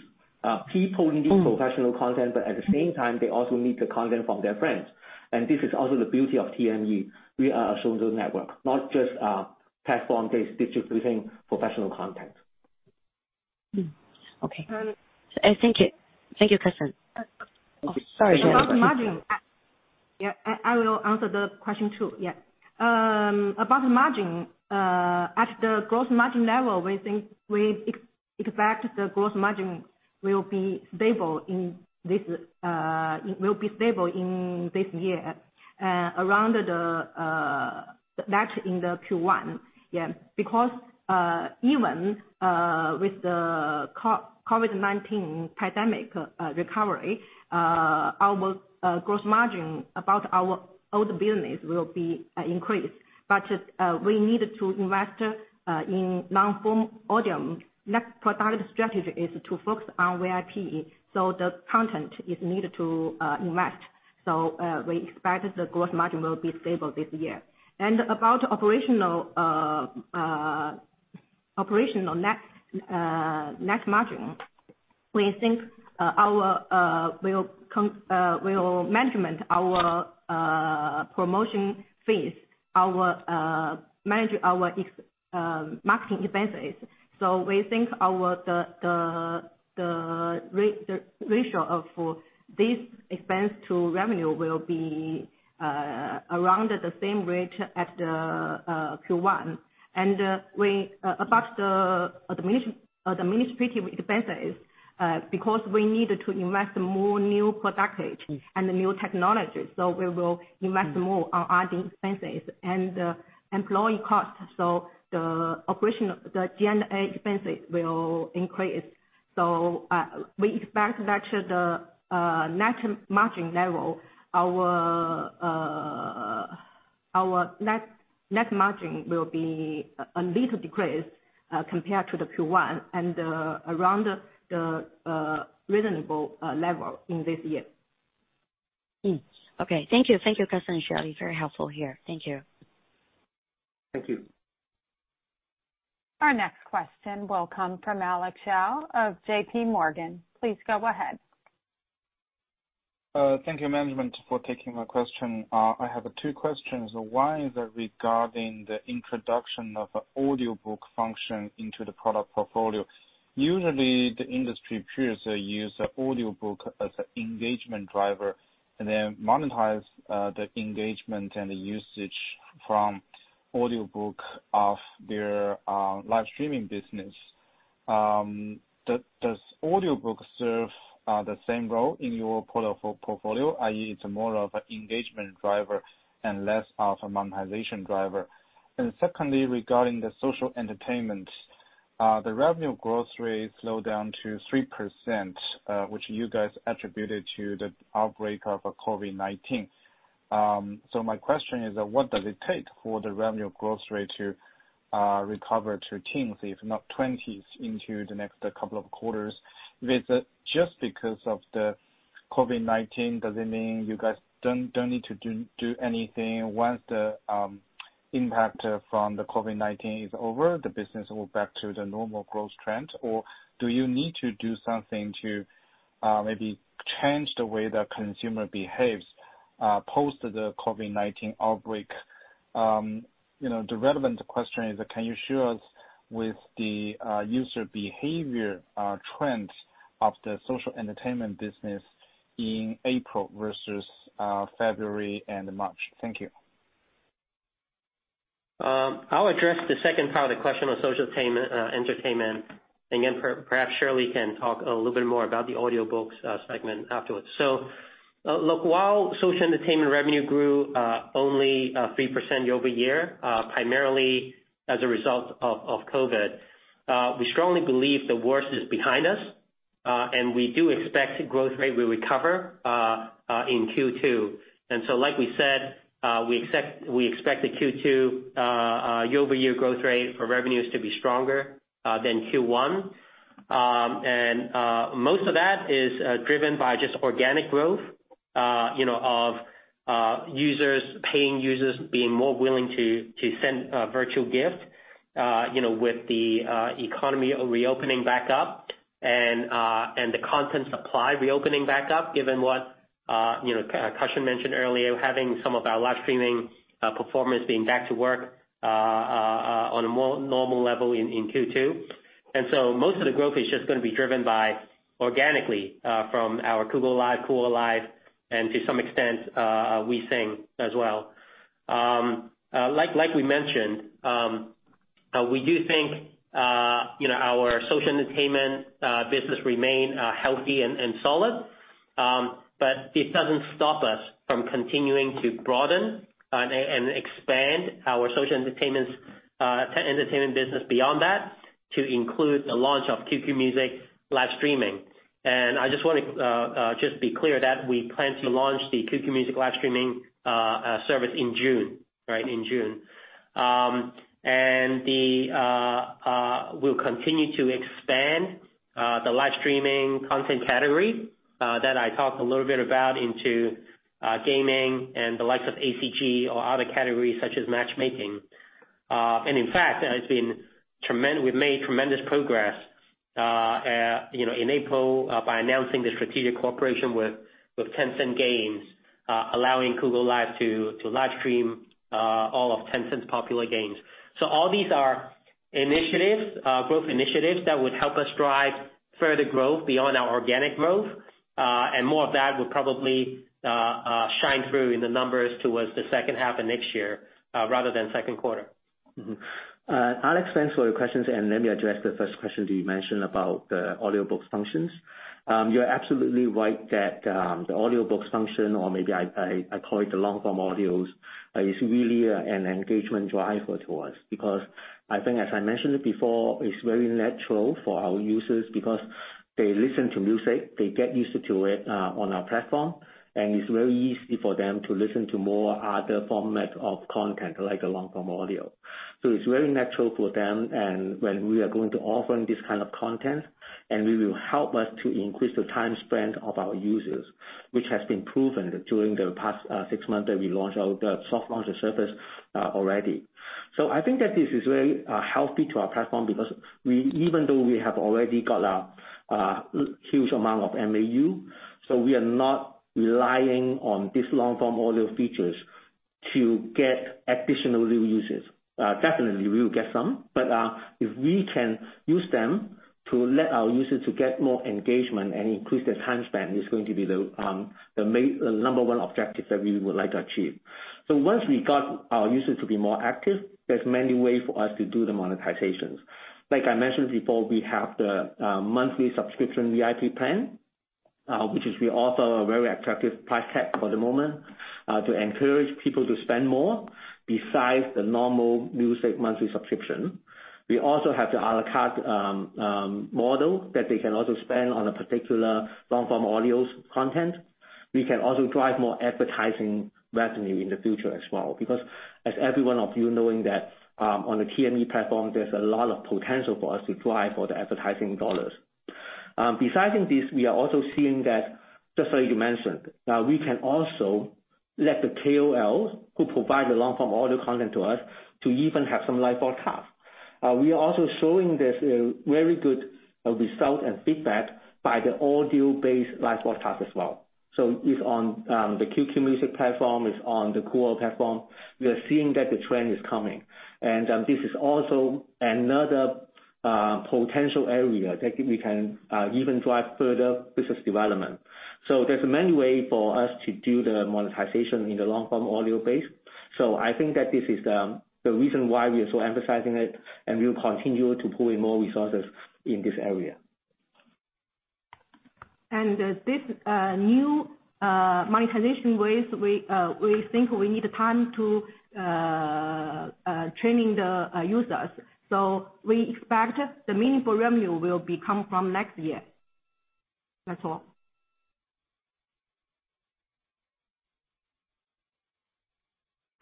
People need professional content, but at the same time, they also need the content from their friends. This is also the beauty of TME. We are a social network, not just a platform-based distributing professional content. Okay. Thank you. Thank you, Cussion. Sorry, go ahead. About the margin. Yeah, I will answer the question, too. Yeah. About the margin. At the gross margin level, we think we expect the gross margin will be stable in this year around that in the Q1. Yeah. Even with the COVID-19 pandemic recovery, our gross margin about our old business will be increased. We need to invest in long-form audio. Next product strategy is to focus on VIP. The content is needed to invest. We expect the gross margin will be stable this year. About operational net margin, we think we will manage our promotion fees, manage our marketing expenses. We think the ratio of this expense to revenue will be around the same rate as the Q1. About the administrative expenses, because we need to invest more new product and the new technology, we will invest more on R&D expenses and employee costs. The operation, the G&A expenses will increase. We expect that the net margin level, our net margin will be a little decreased compared to the Q1 and around the reasonable level in this year. Okay. Thank you. Thank you, Cussion and Shirley. Very helpful here. Thank you. Thank you. Our next question will come from Alex Yao of JPMorgan. Please go ahead. Thank you, management, for taking my question. I have two questions. One is regarding the introduction of an audiobook function into the product portfolio. Usually, the industry peers use audiobook as an engagement driver and then monetize the engagement and the usage from audiobook of their live streaming business. Does audiobook serve the same role in your portfolio, i.e., it's more of an engagement driver and less of a monetization driver? Secondly, regarding the social entertainment, the revenue growth rate slowed down to 3%, which you guys attributed to the outbreak of COVID-19. My question is, what does it take for the revenue growth rate to recover to teens, if not 20s, into the next couple of quarters? Just because of the COVID-19, does it mean you guys don't need to do anything once the impact from the COVID-19 is over, the business will go back to the normal growth trend? Do you need to do something to maybe change the way the consumer behaves post the COVID-19 outbreak? The relevant question is, can you share with us the user behavior trends of the social entertainment business in April versus February and March? Thank you. I'll address the second part of the question on social entertainment. Perhaps Shirley can talk a little bit more about the audiobooks segment afterwards. While social entertainment revenue grew only 3% year-over-year, primarily as a result of COVID-19, we strongly believe the worst is behind us, and we do expect growth rate will recover in Q2. We expect the Q2 year-over-year growth rate for revenues to be stronger than Q1. Most of that is driven by just organic growth of paying users being more willing to send a virtual gift with the economy reopening back up and the content supply reopening back up, given what Cussion mentioned earlier, having some of our live streaming performers being back to work on a more normal level in Q2. Most of the growth is just going to be driven by organically from our Kugou Live, Kuwo Live, and to some extent, WeSing as well. Like we mentioned, we do think our social entertainment business remain healthy and solid. It doesn't stop us from continuing to broaden and expand our social entertainment business beyond that to include the launch of QQ Music live streaming. I just want to be clear that we plan to launch the QQ Music live streaming service in June. Right? In June. We'll continue to expand the live streaming content category that I talked a little bit about into gaming and the likes of ACG or other categories such as matchmaking. In fact, we've made tremendous progress in April by announcing the strategic cooperation with Tencent Games, allowing Kugou Live to live stream all of Tencent's popular games. All these are initiatives, growth initiatives, that would help us drive further growth beyond our organic growth. More of that would probably shine through in the numbers towards the second half of next year rather than second quarter. Mm-hmm. Alex, thanks for your questions. Let me address the first question that you mentioned about the audiobooks functions. You're absolutely right that the audiobooks function, or maybe I call it the long-form audios, is really an engagement driver to us because I think, as I mentioned before, it's very natural for our users because they listen to music, they get used to it on our platform, and it's very easy for them to listen to more other format of content, like a long-form audio. It's very natural for them when we are going to offering this kind of content, and will help us to increase the time spent of our users, which has been proven during the past six months that we soft launched the service already. I think that this is very healthy to our platform because even though we have already got a huge amount of MAU, we are not relying on this long-form audio features to get additional new users. Definitely, we will get some, but if we can use them to let our users to get more engagement and increase their time spent, it's going to be the number one objective that we would like to achieve. Once we got our users to be more active, there's many way for us to do the monetizations. Like I mentioned before, we have the monthly subscription VIP plan which is we offer a very attractive price tag for the moment to encourage people to spend more besides the normal music monthly subscription. We also have the a la carte model that they can also spend on a particular long-form audio content. We can also drive more advertising revenue in the future as well, because as every one of you knowing that on the TME platform, there's a lot of potential for us to drive for the advertising dollars. Besides this, we are also seeing that, just like you mentioned, we can also let the KOL who provide the long-form audio content to us to even have some live broadcast. We are also showing this very good result and feedback by the audio-based live broadcast as well. It's on the QQ Music platform, it's on the Kuwo platform. We are seeing that the trend is coming. This is also another potential area that we can even drive further business development. There's many way for us to do the monetization in the long-form audio space. I think that this is the reason why we are so emphasizing it, and we will continue to pull in more resources in this area. This new monetization ways, we think we need time to training the users. We expect the meaningful revenue will be come from next year. That's all.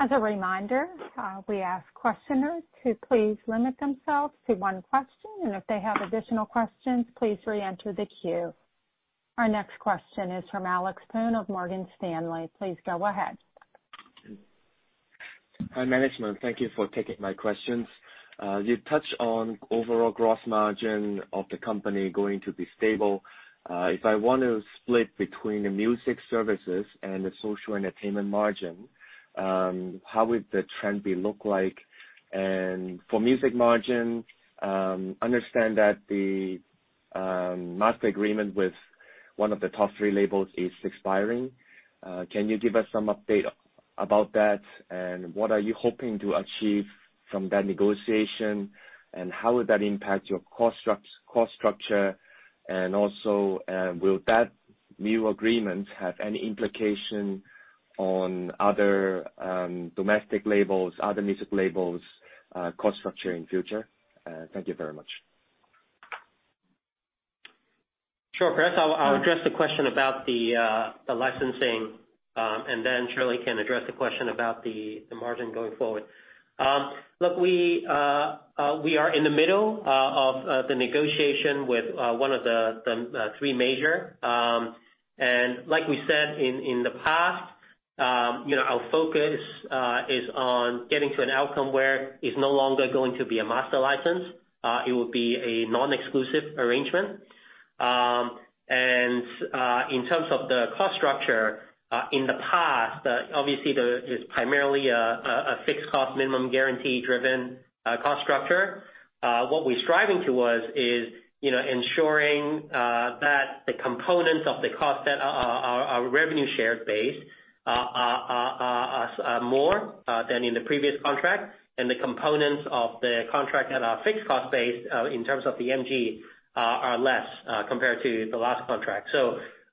As a reminder, we ask questioners to please limit themselves to one question, and if they have additional questions, please reenter the queue. Our next question is from Alex Poon of Morgan Stanley. Please go ahead. Hi, management. Thank you for taking my questions. You touched on overall gross margin of the company going to be stable. If I want to split between the music services and the social entertainment margin, how would the trend be look like? For music margin, understand that the master agreement with one of the top three labels is expiring. Can you give us some update about that? What are you hoping to achieve from that negotiation, and how would that impact your cost structure? Also, will that new agreement have any implication on other domestic labels, other music labels' cost structure in future? Thank you very much. Sure. Perhaps I'll address the question about the licensing, and then Shirley can address the question about the margin going forward. Look, we are in the middle of the negotiation with one of the three major. Like we said in the past, our focus is on getting to an outcome where it's no longer going to be a master license. It will be a non-exclusive arrangement. In terms of the cost structure, in the past, obviously, there's primarily a fixed cost, minimum guarantee-driven cost structure. What we're striving towards is ensuring that the components of the cost that are revenue shared base are more than in the previous contract, and the components of the contract that are fixed cost based in terms of the MG are less compared to the last contract.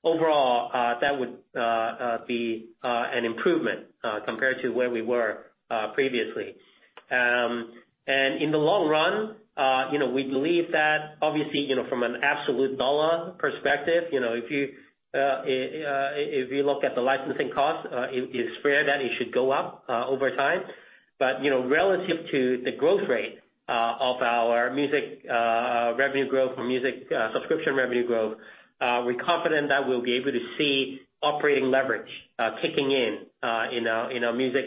Overall, that would be an improvement compared to where we were previously. In the long run, we believe that obviously, from an absolute dollar perspective, if you look at the licensing cost, it is fair that it should go up over time. Relative to the growth rate of our music revenue growth or music subscription revenue growth, we're confident that we'll be able to see operating leverage kicking in our music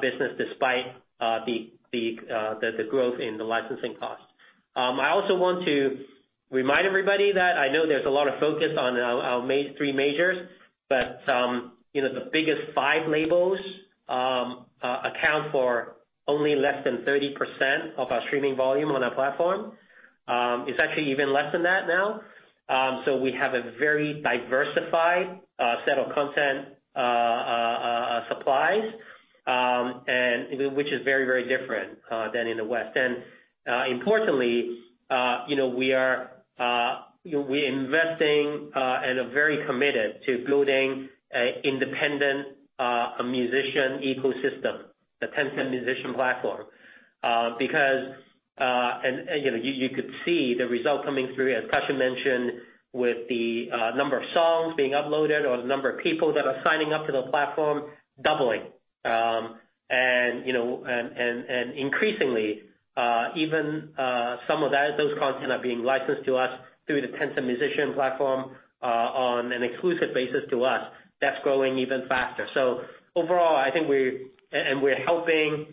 business, despite the growth in the licensing costs. I also want to remind everybody that I know there's a lot of focus on our three majors, but the biggest five labels account for only less than 30% of our streaming volume on our platform. It's actually even less than that now. We have a very diversified set of content supplies, which is very different than in the West. Importantly, we are investing and are very committed to building independent musician ecosystem, the Tencent Musician Program. Because you could see the results coming through, as Cussion mentioned, with the number of songs being uploaded or the number of people that are signing up to the platform doubling. Increasingly, even some of those content are being licensed to us through the Tencent Musician Program on an exclusive basis to us. That's growing even faster. Overall, we're helping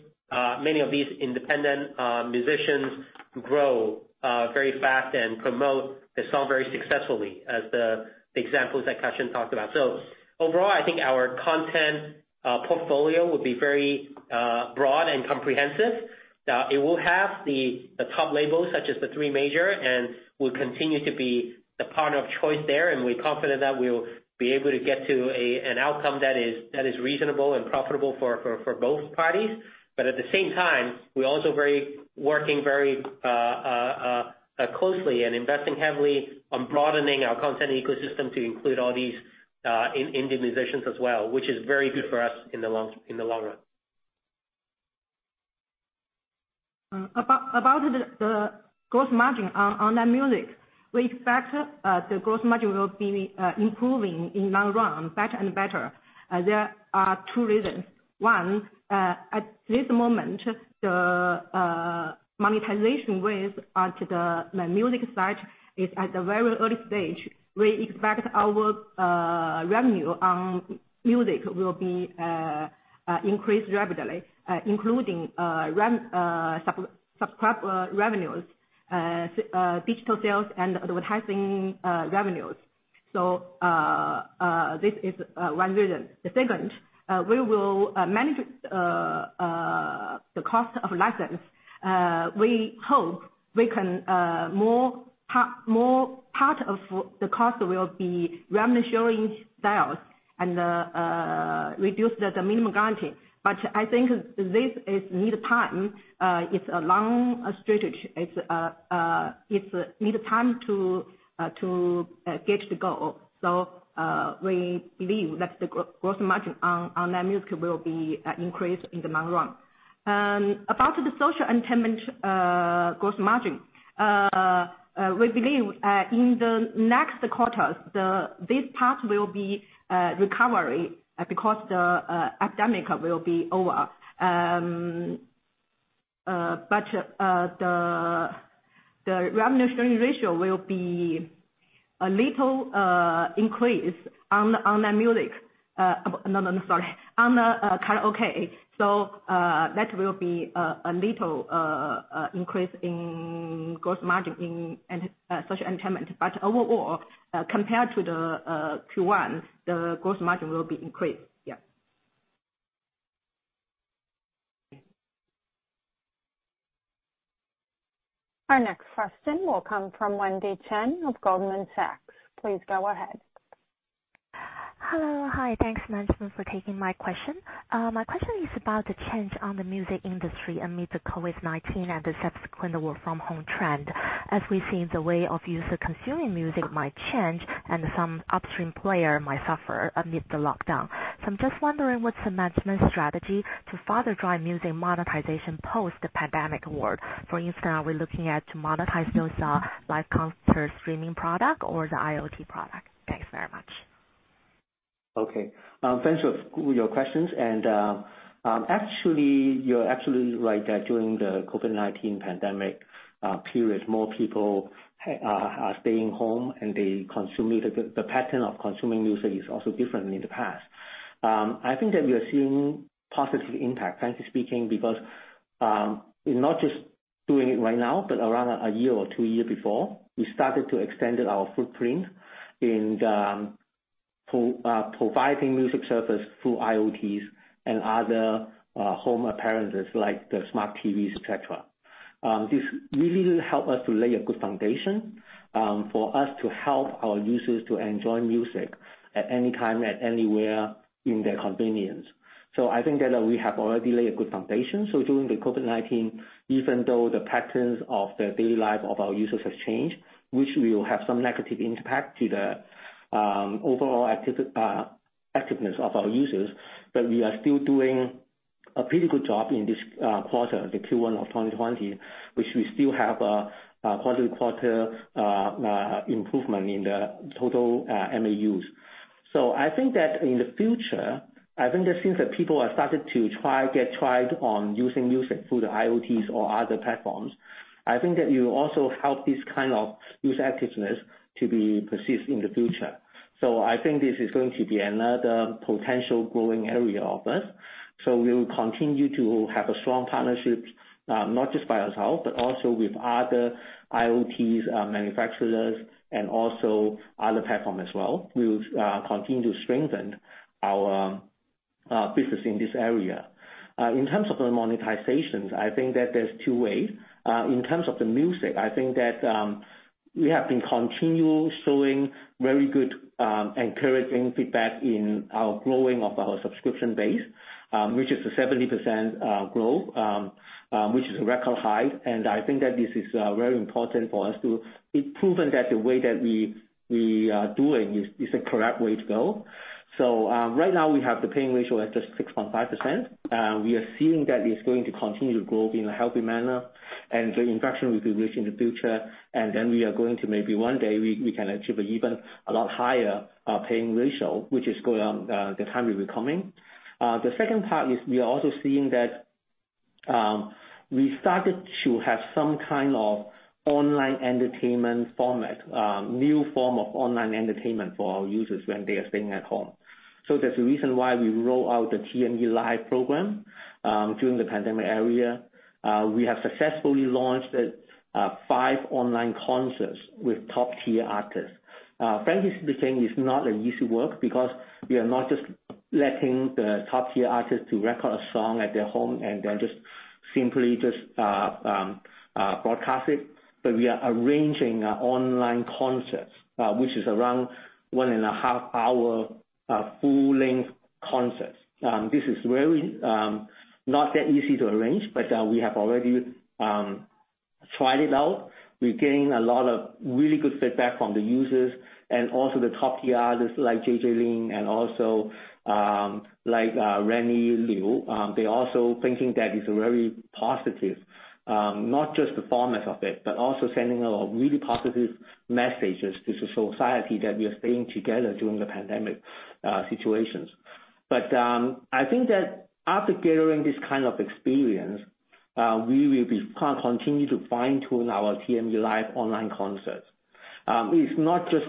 many of these independent musicians grow very fast and promote their song very successfully, as the examples that Cussion talked about. Overall, I think our content portfolio will be very broad and comprehensive. It will have the top labels such as the three major, and we'll continue to be the partner of choice there, and we're confident that we'll be able to get to an outcome that is reasonable and profitable for both parties. At the same time, we're also working very closely and investing heavily on broadening our content ecosystem to include all these indie musicians as well, which is very good for us in the long run. About the gross margin on online music. We expect the gross margin will be improving in long run better and better. There are two reasons. One, at this moment, the monetization with the music side is at the very early stage. We expect our revenue on music will be increased rapidly, including subscriber revenues, digital sales, and advertising revenues. This is one reason. The second, we will manage the cost of license. We hope more part of the cost will be revenue sharing sales and reduce the minimum guarantee. I think this needs time. It's a long strategy. It needs time to get the goal. We believe that the gross margin on online music will be increased in the long run. About the social entertainment gross margin. We believe, in the next quarters, this part will be recovery because the epidemic will be over. The revenue sharing ratio will be a little increased on online music. No, sorry. On the karaoke. That will be a little increase in gross margin in social entertainment. Overall, compared to the Q1, the gross margin will be increased. Yeah. Our next question will come from Wendy Chen of Goldman Sachs. Please go ahead. Hello. Hi. Thanks management for taking my question. My question is about the change on the music industry amid the COVID-19 and the subsequent work from home trend. As we've seen, the way of user consuming music might change and some upstream player might suffer amid the lockdown. I'm just wondering what's the management strategy to further drive music monetization post the pandemic world. For instance, are we looking at to monetize those live concert streaming product or the IoT product? Thanks very much. Okay. Thanks for your questions. Actually, you're absolutely right that during the COVID-19 pandemic period, more people are staying home and the pattern of consuming music is also different than in the past. I think that we are seeing positive impact, frankly speaking, because it's not just doing it right now, but around a year or two year before, we started to extend our footprint in providing music service through IoTs and other home appearances like the smart TVs, et cetera. This really help us to lay a good foundation for us to help our users to enjoy music at any time, at anywhere in their convenience. I think that we have already laid a good foundation. During the COVID-19, even though the patterns of the daily life of our users has changed, which will have some negative impact to the overall activeness of our users, but we are still doing a pretty good job in this quarter, the Q1 of 2020, which we still have a quarter-to-quarter improvement in the total MAUs. I think that in the future, I think that since that people have started to get tried on using music through the IoTs or other platforms, I think that you also help this kind of user activeness to be persist in the future. I think this is going to be another potential growing area of us. We will continue to have a strong partnership, not just by ourselves, but also with other IoTs manufacturers and also other platform as well. We will continue to strengthen our business in this area. In terms of the monetizations, I think that there's two ways. In terms of the music, I think that we have been continual showing very good, encouraging feedback in our growing of our subscription base, which is a 17% growth, which is a record high. I think that this is very important for us to be proven that the way that we are doing is the correct way to go. Right now we have the paying ratio at just 6.5%. We are seeing that it's going to continue to grow in a healthy manner, and the inflection will be reached in the future. We are going to, maybe one day, we can achieve a even a lot higher paying ratio, which is going on the time will be coming. The second part is we are also seeing that we started to have some kind of online entertainment format, new form of online entertainment for our users when they are staying at home. There's a reason why we roll out the TME Live program during the pandemic era. We have successfully launched five online concerts with top-tier artists. Frankly speaking, it's not an easy work because we are not just letting the top-tier artists to record a song at their home and then just simply broadcast it, but we are arranging online concerts, which is around one and a half hour full-length concerts. This is really not that easy to arrange, but we have already tried it out. We're getting a lot of really good feedback from the users and also the top tiers like J.J. Lin and also like Rene Liu. They're also thinking that it's very positive, not just the format of it, but also sending out really positive messages to the society that we are staying together during the pandemic situations. I think that after gathering this kind of experience, we will continue to fine-tune our TME Live online concerts. It's not just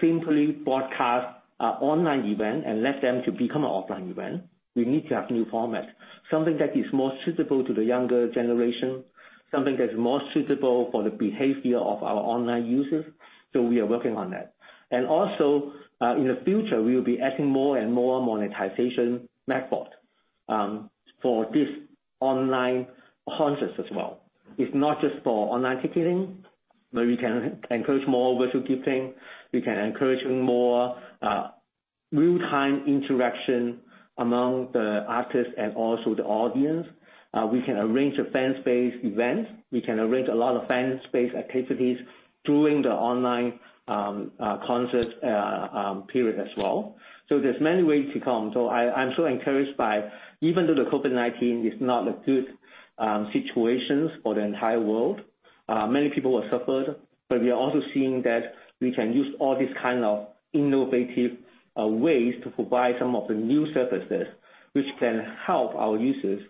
simply broadcast online event and let them to become an offline event. We need to have new format, something that is more suitable to the younger generation, something that is more suitable for the behavior of our online users. We are working on that. In the future, we will be adding more and more monetization method for this online concerts as well. It's not just for online ticketing, but we can encourage more virtual gifting. We can encourage more real-time interaction among the artists and also the audience. We can arrange a fan space event. We can arrange a lot of fan space activities during the online concert period as well. There's many ways to come. I'm so encouraged by, even though the COVID-19 is not a good situations for the entire world, many people have suffered, but we are also seeing that we can use all these kind of innovative ways to provide some of the new services which can help our users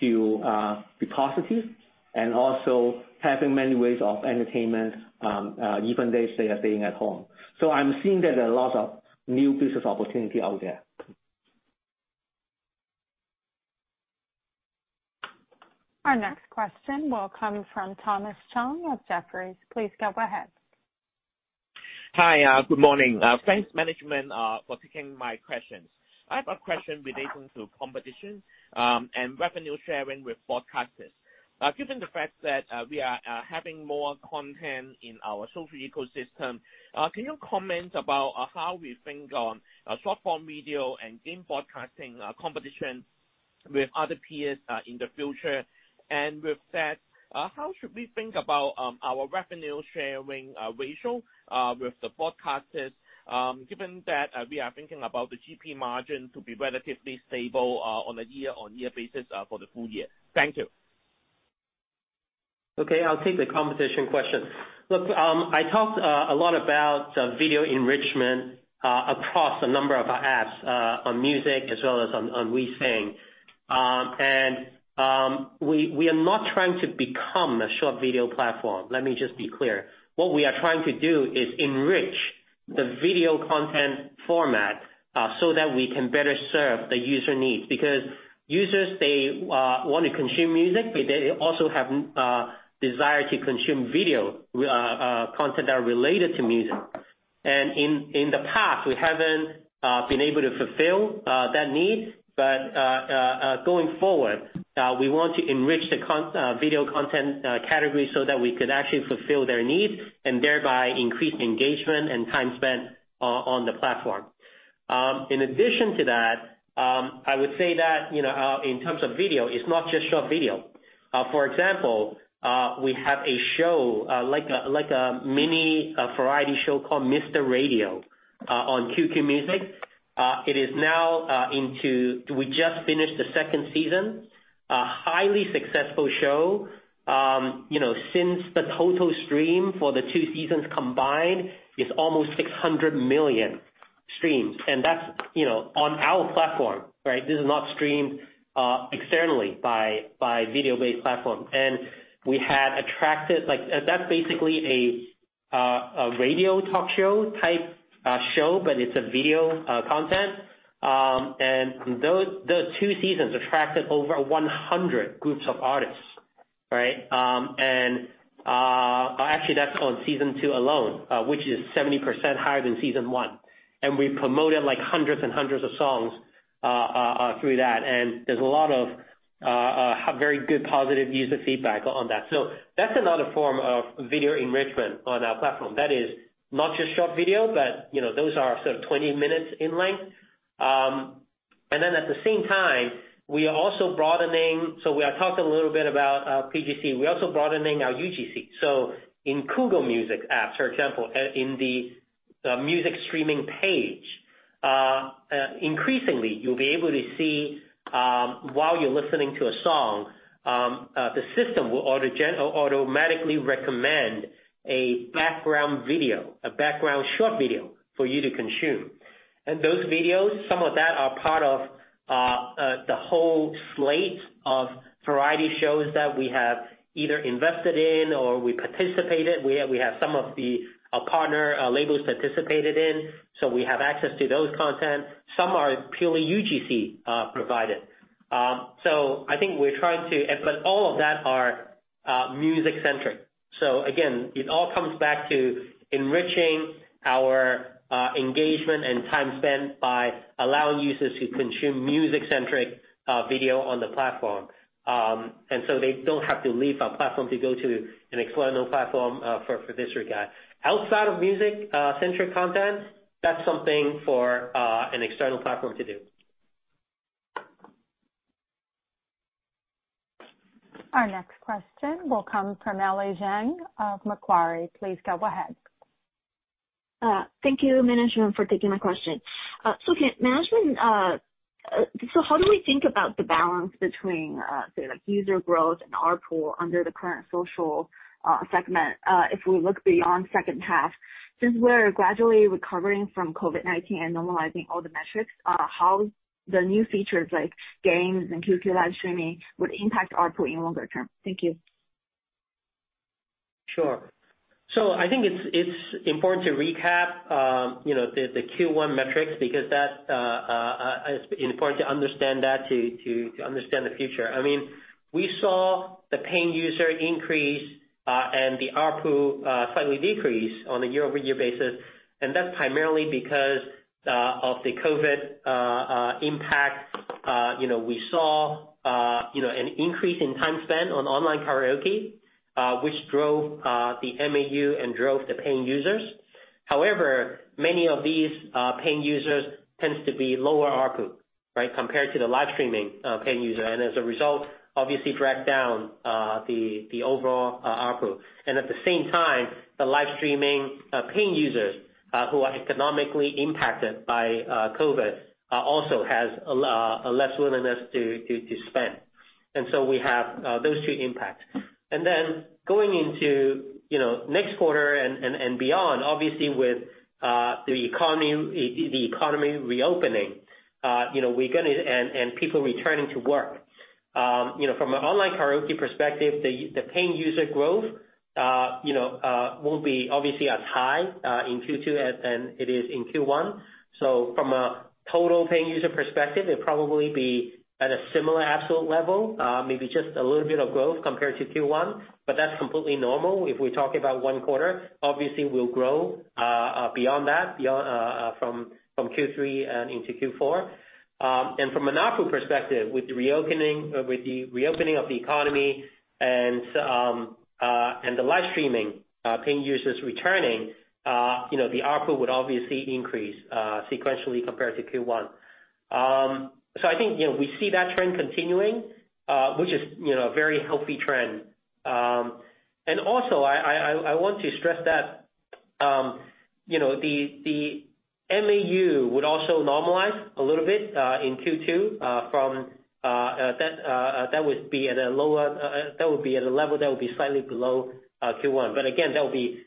to be positive and also having many ways of entertainment, even if they are staying at home. I'm seeing that there are a lot of new business opportunity out there. Our next question will come from Thomas Chong of Jefferies. Please go ahead. Hi. Good morning. Thanks, management, for taking my questions. I have a question relating to competition and revenue sharing with broadcasters. Given the fact that we are having more content in our social ecosystem, can you comment about how we think on short-form video and game broadcasting competition with other peers in the future? With that, how should we think about our revenue sharing ratio with the broadcasters, given that we are thinking about the GP margin to be relatively stable on a year-on-year basis for the full year? Thank you. Okay, I'll take the competition question. Look, I talked a lot about video enrichment across a number of our apps, on music as well as on WeSing. We are not trying to become a short video platform. Let me just be clear. What we are trying to do is enrich the video content format so that we can better serve the user needs. Users, they want to consume music, but they also have desire to consume video content that are related to music. In the past, we haven't been able to fulfill that need. Going forward, we want to enrich the video content category so that we could actually fulfill their needs and thereby increase engagement and time spent on the platform. In addition to that, I would say that in terms of video, it's not just short video. For example, we have a show, like a mini variety show called Mr. Radio on QQ Music. We just finished the second season. A highly successful show. Since the total stream for the two seasons combined is almost 600 million streams, and that's on our platform, right? This is not streamed externally by video-based platform. That's basically a radio talk show type show, but it's a video content. Those two seasons attracted over 100 groups of artists, right? Actually, that's on season two alone, which is 17% higher than season one. We promoted 100s and 100s of songs through that. There's a lot of very good positive user feedback on that. That's another form of video enrichment on our platform. That is not just short video, but those are sort of 20 minutes in length. At the same time, we are also broadening. We are talking a little bit about PGC. We are also broadening our UGC. In Kugou Music app, for example, in the music streaming page, increasingly, you'll be able to see while you're listening to a song, the system will automatically recommend a background video, a background short video for you to consume. Those videos, some of that are part of the whole slate of variety shows that we have either invested in or we participated. We have some of the partner labels participated in, so we have access to those content. Some are purely UGC provided. All of that are music-centric. Again, it all comes back to enriching our engagement and time spent by allowing users to consume music-centric video on the platform. They don't have to leave our platform to go to an external platform for this regard. Outside of music-centric content, that's something for an external platform to do. Our next question will come from Ellie Jiang of Macquarie. Please go ahead. Thank you, management, for taking my question. How do we think about the balance between user growth and ARPU under the current social segment, if we look beyond second half? Since we're gradually recovering from COVID-19 and normalizing all the metrics, how the new features like games and QQ live streaming would impact ARPU in longer term? Thank you. Sure. I think it's important to recap the Q1 metrics, because it's important to understand that to understand the future. We saw the paying user increase, and the ARPU slightly decrease on a year-over-year basis, and that's primarily because of the COVID-19 impact. We saw an increase in time spent on online karaoke, which drove the MAU and drove the paying users. However, many of these paying users tends to be lower ARPU compared to the live streaming paying user, and as a result, obviously dragged down the overall ARPU. At the same time, the live streaming paying users, who are economically impacted by COVID-19, also has a less willingness to spend. We have those two impacts. Going into next quarter and beyond, obviously with the economy reopening and people returning to work. From an online karaoke perspective, the paying user growth won't be obviously as high in Q2 as it is in Q1. From a total paying user perspective, it'll probably be at a similar absolute level, maybe just a little bit of growth compared to Q1, but that's completely normal. If we talk about one quarter, obviously we'll grow beyond that from Q3 and into Q4. From an ARPU perspective, with the reopening of the economy and the live streaming paying users returning, the ARPU would obviously increase sequentially compared to Q1. I think we see that trend continuing, which is a very healthy trend. Also, I want to stress that the MAU would also normalize a little bit in Q2. That would be at a level that would be slightly below Q1. Again, that would be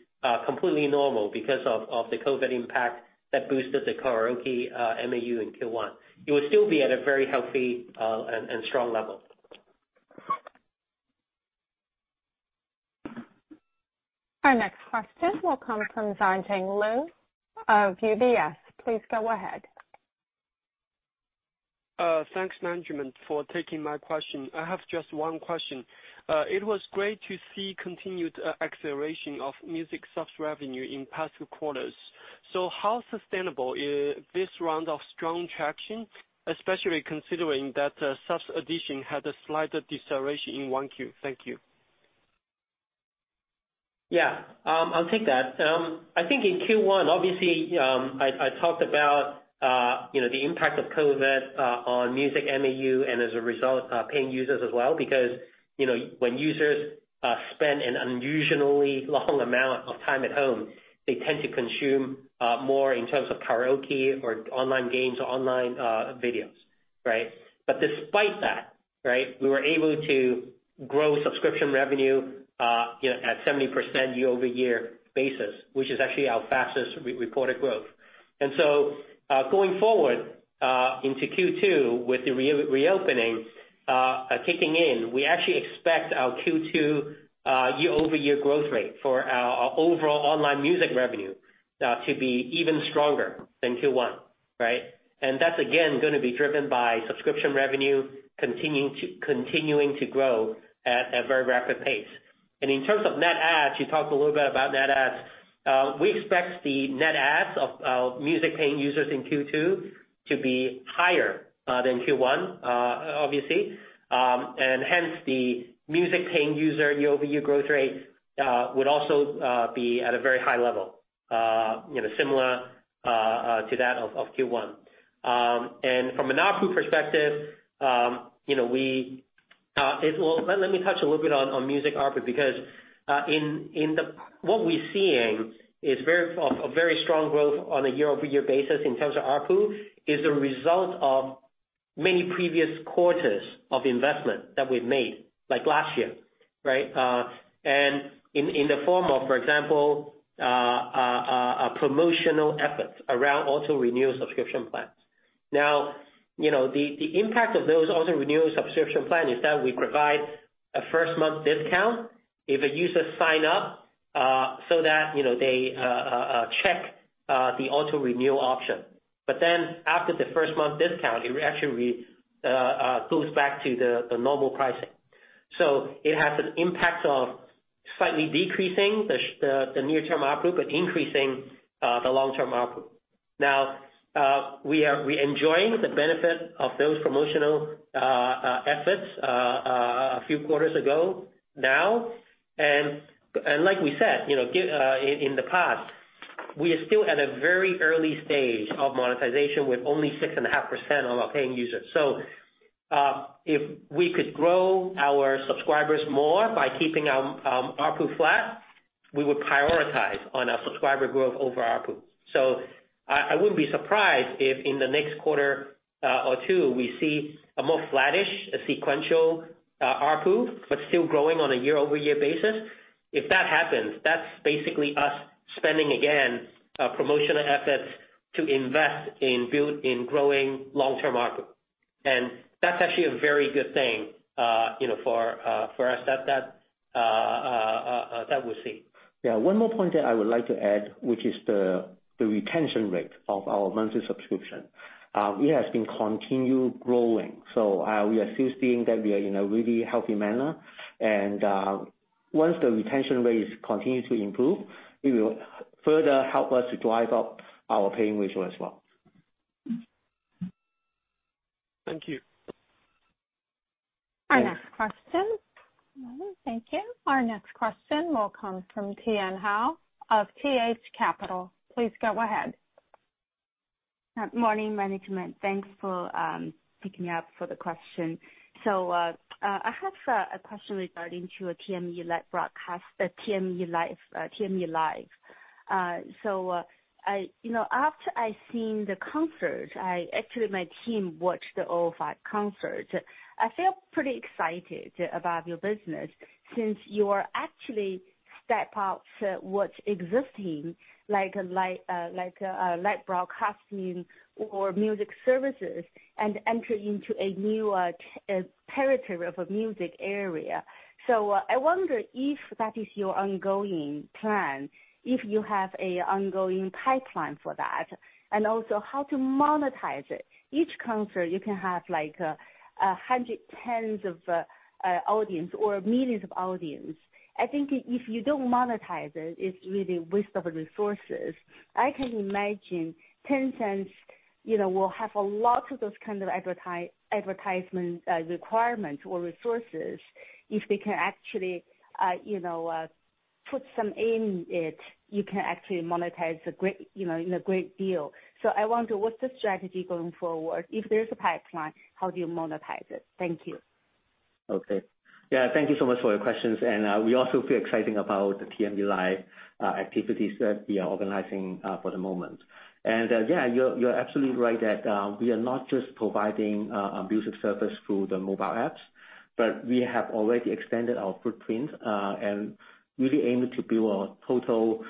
completely normal because of the COVID impact that boosted the karaoke MAU in Q1. It will still be at a very healthy and strong level. Our next question will come from Zhijing Liu of UBS. Please go ahead. Thanks, management, for taking my question. I have just one question. It was great to see continued acceleration of music subs revenue in past two quarters. How sustainable is this round of strong traction, especially considering that subs addition had a slight deceleration in 1Q? Thank you. Yeah. I'll take that. I think in Q1, obviously, I talked about the impact of COVID on music MAU, as a result, paying users as well. When users spend an unusually long amount of time at home, they tend to consume more in terms of karaoke or online games or online videos. Right? Despite that, we were able to grow subscription revenue at 17% year-over-year basis, which is actually our fastest reported growth. Going forward into Q2 with the reopening kicking in, we actually expect our Q2 year-over-year growth rate for our overall online music revenue to be even stronger than Q1. Right? That's again, going to be driven by subscription revenue continuing to grow at a very rapid pace. In terms of net adds, you talked a little bit about net adds. We expect the net adds of music paying users in Q2 to be higher than Q1, obviously. Hence, the music paying user year-over-year growth rate would also be at a very high level similar to that of Q1. From an ARPU perspective, let me touch a little bit on music ARPU, because what we're seeing is a very strong growth on a year-over-year basis in terms of ARPU is a result of many previous quarters of investment that we've made, like last year. Right? In the form of, for example, promotional efforts around auto-renewal subscription plans. Now, the impact of those auto-renewal subscription plan is that we provide a first-month discount if a user sign up, so that they check the auto-renewal option. Then after the first month discount, it actually goes back to the normal pricing. It has an impact of slightly decreasing the near-term ARPU, but increasing the long-term ARPU. We're enjoying the benefit of those promotional efforts a few quarters ago now. Like we said, in the past, we are still at a very early stage of monetization with only 6.5% of our paying users. If we could grow our subscribers more by keeping our ARPU flat, we would prioritize on our subscriber growth over ARPU. I wouldn't be surprised if in the next quarter or two we see a more flattish, a sequential ARPU, but still growing on a year-over-year basis. If that happens, that's basically us spending again promotional efforts to invest in growing long-term ARPU. That's actually a very good thing for us that we see. Yeah. One more point that I would like to add, which is the retention rate of our monthly subscription. It has been continue growing. We are still seeing that we are in a really healthy manner. Once the retention rate continues to improve, it will further help us to drive up our paying ratio as well. Thank you. Our next question. Thank you. Our next question will come from Tian Hou of TH Capital. Please go ahead. Morning, management. Thanks for picking me up for the question. I have a question regarding to a TME broadcast, the TME Live. After I seen the concert, actually my team watched all five concerts. I feel pretty excited about your business since you are actually step out what's existing like live broadcasting or music services and enter into a new territory of a music area. I wonder if that is your ongoing plan, if you have an ongoing pipeline for that, and also how to monetize it. Each concert you can have hundreds of thousands of audience or millions of audience. I think if you don't monetize it's really waste of resources. I can imagine Tencent will have a lot of those kind of advertisement requirements or resources if they can actually put some in it, you can actually monetize in a great deal. I wonder, what's the strategy going forward? If there's a pipeline, how do you monetize it? Thank you. Okay. Yeah, thank you so much for your questions. We also feel exciting about the TME Live activities that we are organizing for the moment. Yeah, you're absolutely right that we are not just providing a music service through the mobile apps, but we have already extended our footprint and really aim to build a total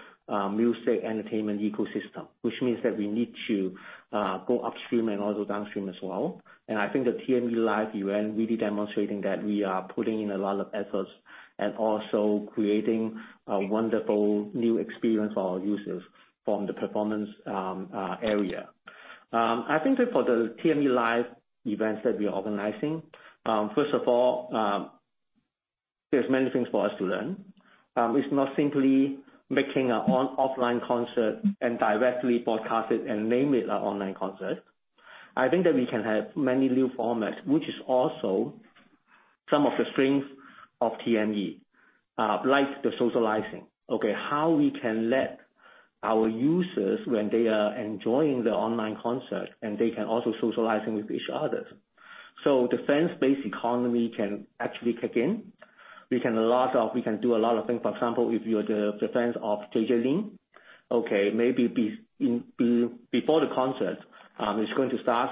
music entertainment ecosystem, which means that we need to go upstream and also downstream as well. I think the TME Live event really demonstrating that we are putting in a lot of efforts and also creating a wonderful new experience for our users from the performance area. I think that for the TME Live events that we are organizing, first of all, there's many things for us to learn. It's not simply making an offline concert and directly broadcast it and name it an online concert. I think that we can have many new formats, which is also some of the strength of TME, like the socializing. Okay, how we can let our users when they are enjoying the online concert, and they can also socializing with each other. The fans-based economy can actually kick in. We can do a lot of things. For example, if you're the fans of J.J. Lin, okay, maybe before the concert is going to start,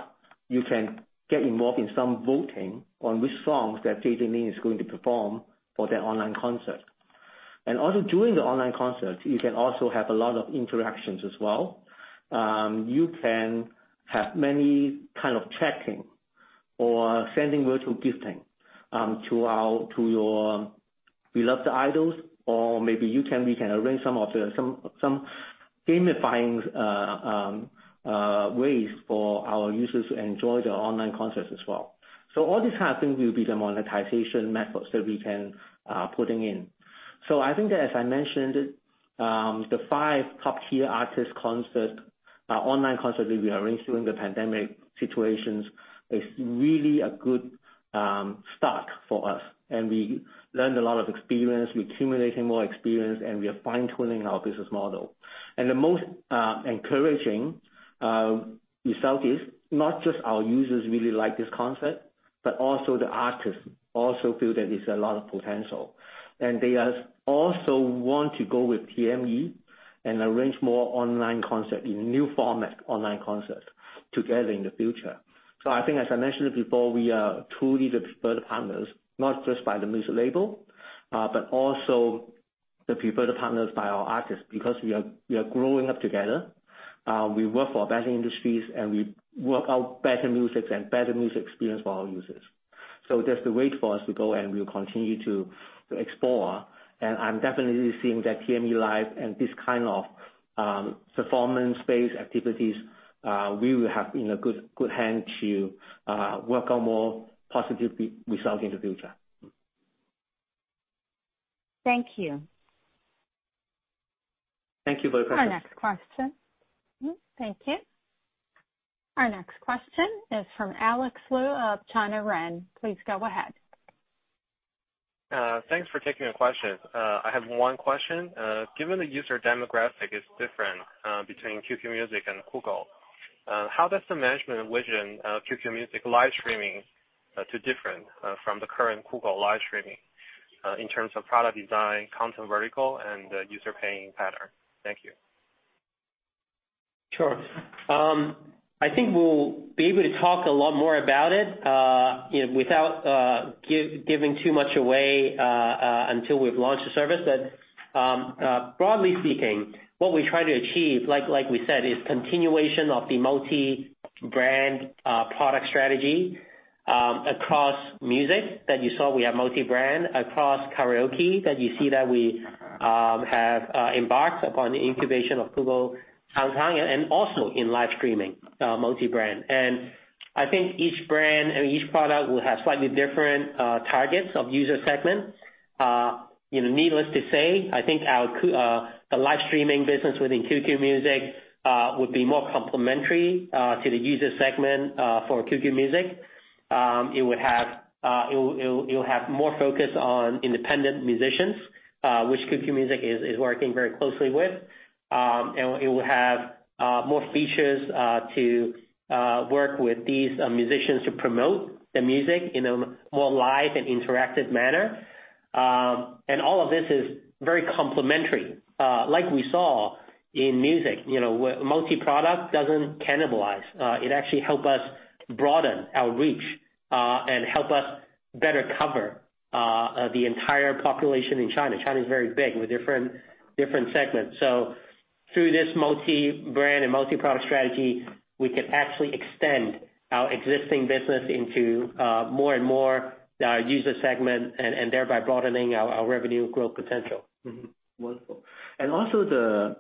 you can get involved in some voting on which songs that J.J. Lin is going to perform for that online concert. Also during the online concert, you can also have a lot of interactions as well. You can have many kind of chatting or sending virtual gifting to your beloved idols. Maybe we can arrange some gamifying ways for our users to enjoy the online concerts as well. All these kind of things will be the monetization methods that we can putting in. I think that as I mentioned, the five top-tier artist online concert that we arranged during the pandemic situations is really a good start for us. We learned a lot of experience, we're accumulating more experience, and we are fine-tuning our business model. The most encouraging result is not just our users really like this concept, but also the artists also feel that there's a lot of potential. They also want to go with TME and arrange more online concert in new format online concert together in the future. I think as I mentioned before, we are truly the preferred partners, not just by the music label, but also the preferred partners by our artists because we are growing up together. We work for better industries and we work out better music and better music experience for our users. Just wait for us to go and we'll continue to explore. I'm definitely seeing that TME Live and this kind of performance-based activities, we will have in a good hand to work on more positive results in the future. Thank you. Thank you, Tian Hou. Our next question. Thank you. Our next question is from Alex Liu of China Renaissance. Please go ahead. Thanks for taking the question. I have one question. Given the user demographic is different between QQ Music and Kugou, how does the management envision QQ Music live streaming to differ from the current Kugou live streaming, in terms of product design, content vertical, and user paying pattern? Thank you. Sure. I think we'll be able to talk a lot more about it, without giving too much away until we've launched the service. Broadly speaking, what we try to achieve, like we said, is continuation of the multi-brand product strategy across music that you saw we have multi-brand. Across karaoke, that you see that we have embarked upon the incubation of Kugou Changge, and also in live streaming, multi-brand. I think each brand and each product will have slightly different targets of user segments. Needless to say, I think our live streaming business within QQ Music will be more complementary to the user segment for QQ Music. It will have more focus on independent musicians, which QQ Music is working very closely with. It will have more features to work with these musicians to promote their music in a more live and interactive manner. All of this is very complementary. Like we saw in music, multi-product doesn't cannibalize. It actually help us broaden our reach, and help us better cover the entire population in China. China is very big with different segments. Through this multi-brand and multi-product strategy, we can actually extend our existing business into more and more user segment and thereby broadening our revenue growth potential. Wonderful. Also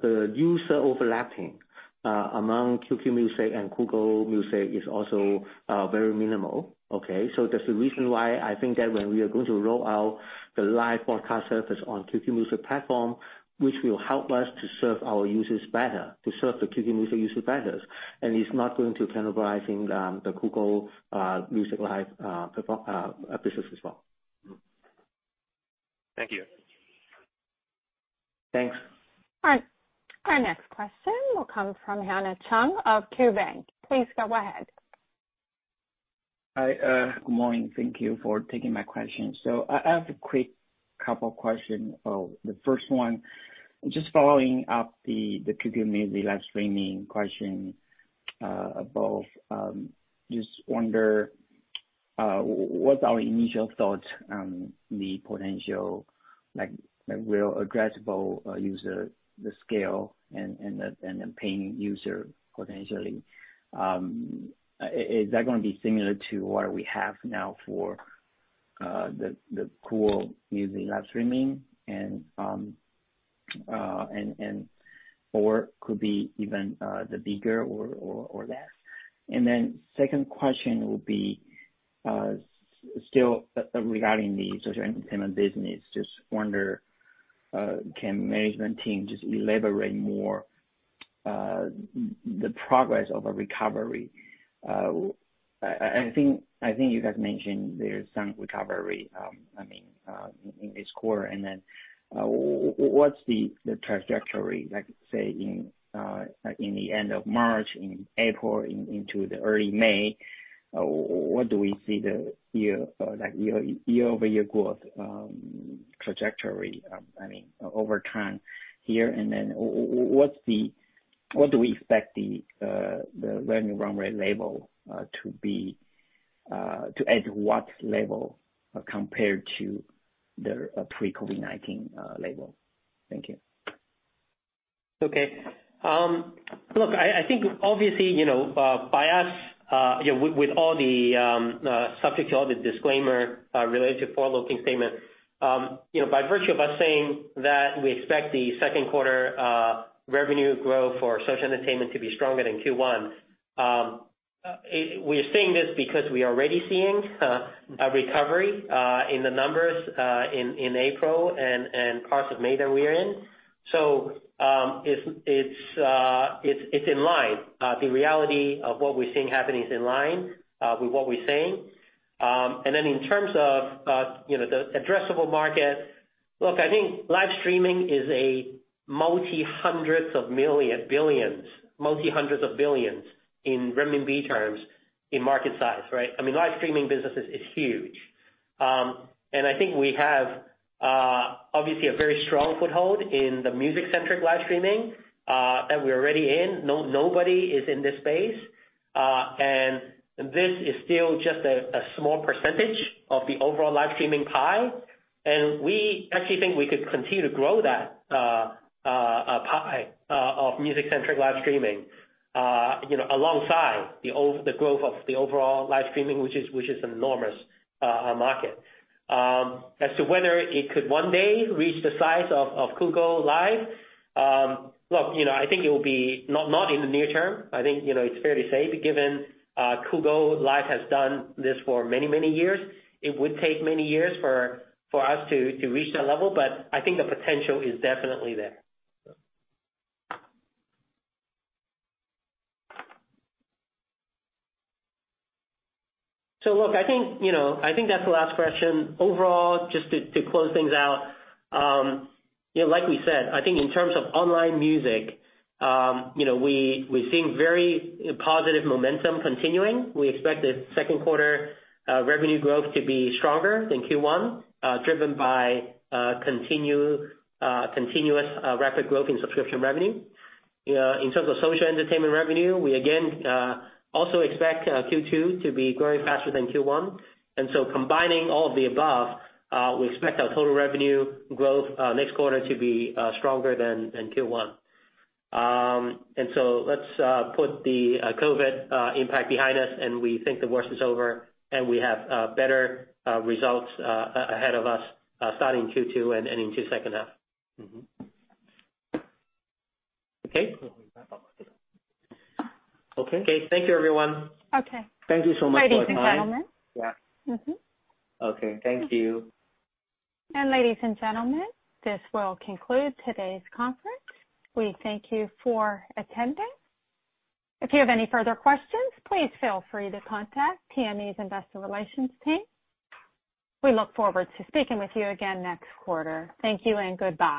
the user overlapping among QQ Music and Kugou Music is also very minimal. Okay? There's a reason why I think that when we are going to roll out the live broadcast service on QQ Music platform, which will help us to serve our users better, to serve the QQ Music users better, and it's not going to cannibalizing the Kugou Music live business as well. Thank you. Thanks. All right. Our next question will come from Hans Chung of KeyBanc. Please go ahead. Hi, good morning. Thank you for taking my question. I have a quick couple question. The first one, just following up the QQ Music live streaming question above. Just wonder, what's our initial thought on the potential, like will addressable user, the scale and the paying user potentially. Is that going to be similar to what we have now for the Kugou Music live streaming? Could be even bigger or less? Second question would be, still regarding the social entertainment business. Just wonder, can management team just elaborate more the progress of a recovery? I think you guys mentioned there's some recovery, I mean, in this quarter. What's the trajectory, like, say, in the end of March, in April, into the early May? What do we see the year-over-year growth trajectory, I mean, over time here? What do we expect the revenue run rate level to be, at what level compared to the pre-COVID-19 level? Thank you. Okay. Look, I think obviously, subject to all the disclaimer related to forward-looking statement. By virtue of us saying that we expect the second quarter revenue growth for social entertainment to be stronger than Q1, we're saying this because we are already seeing a recovery in the numbers in April and parts of May that we are in. It's in line. The reality of what we're seeing happening is in line with what we're saying. Then in terms of the addressable market, look, I think live streaming is a multi-100s of billions in RMB terms in market size, right? I mean, live streaming business is huge. I think we have obviously a very strong foothold in the music-centric live streaming, that we're already in. Nobody is in this space. This is still just a small percentage of the overall live streaming pie. We actually think we could continue to grow that pie of music-centric live streaming, alongside the growth of the overall live streaming, which is an enormous market. As to whether it could one day reach the size of Kugou Live, I think it will be not in the near term. I think it is fair to say, given Kugou Live has done this for many, many years. It would take many years for us to reach that level. I think the potential is definitely there. I think that is the last question. Overall, just to close things out. Like we said, I think in terms of online music, we are seeing very positive momentum continuing. We expect the second quarter revenue growth to be stronger than Q1, driven by continuous rapid growth in subscription revenue. In terms of social entertainment revenue, we again also expect Q2 to be growing faster than Q1. Combining all of the above, we expect our total revenue growth next quarter to be stronger than Q1. Let's put the COVID impact behind us, and we think the worst is over, and we have better results ahead of us starting Q2 and into second half. Okay. We'll wrap up. Okay. Thank you, everyone. Okay. Thank you so much for your time. Ladies and gentlemen. Yeah. Okay. Thank you. Ladies and gentlemen, this will conclude today's conference. We thank you for attending. If you have any further questions, please feel free to contact TME's investor relations team. We look forward to speaking with you again next quarter. Thank you and goodbye.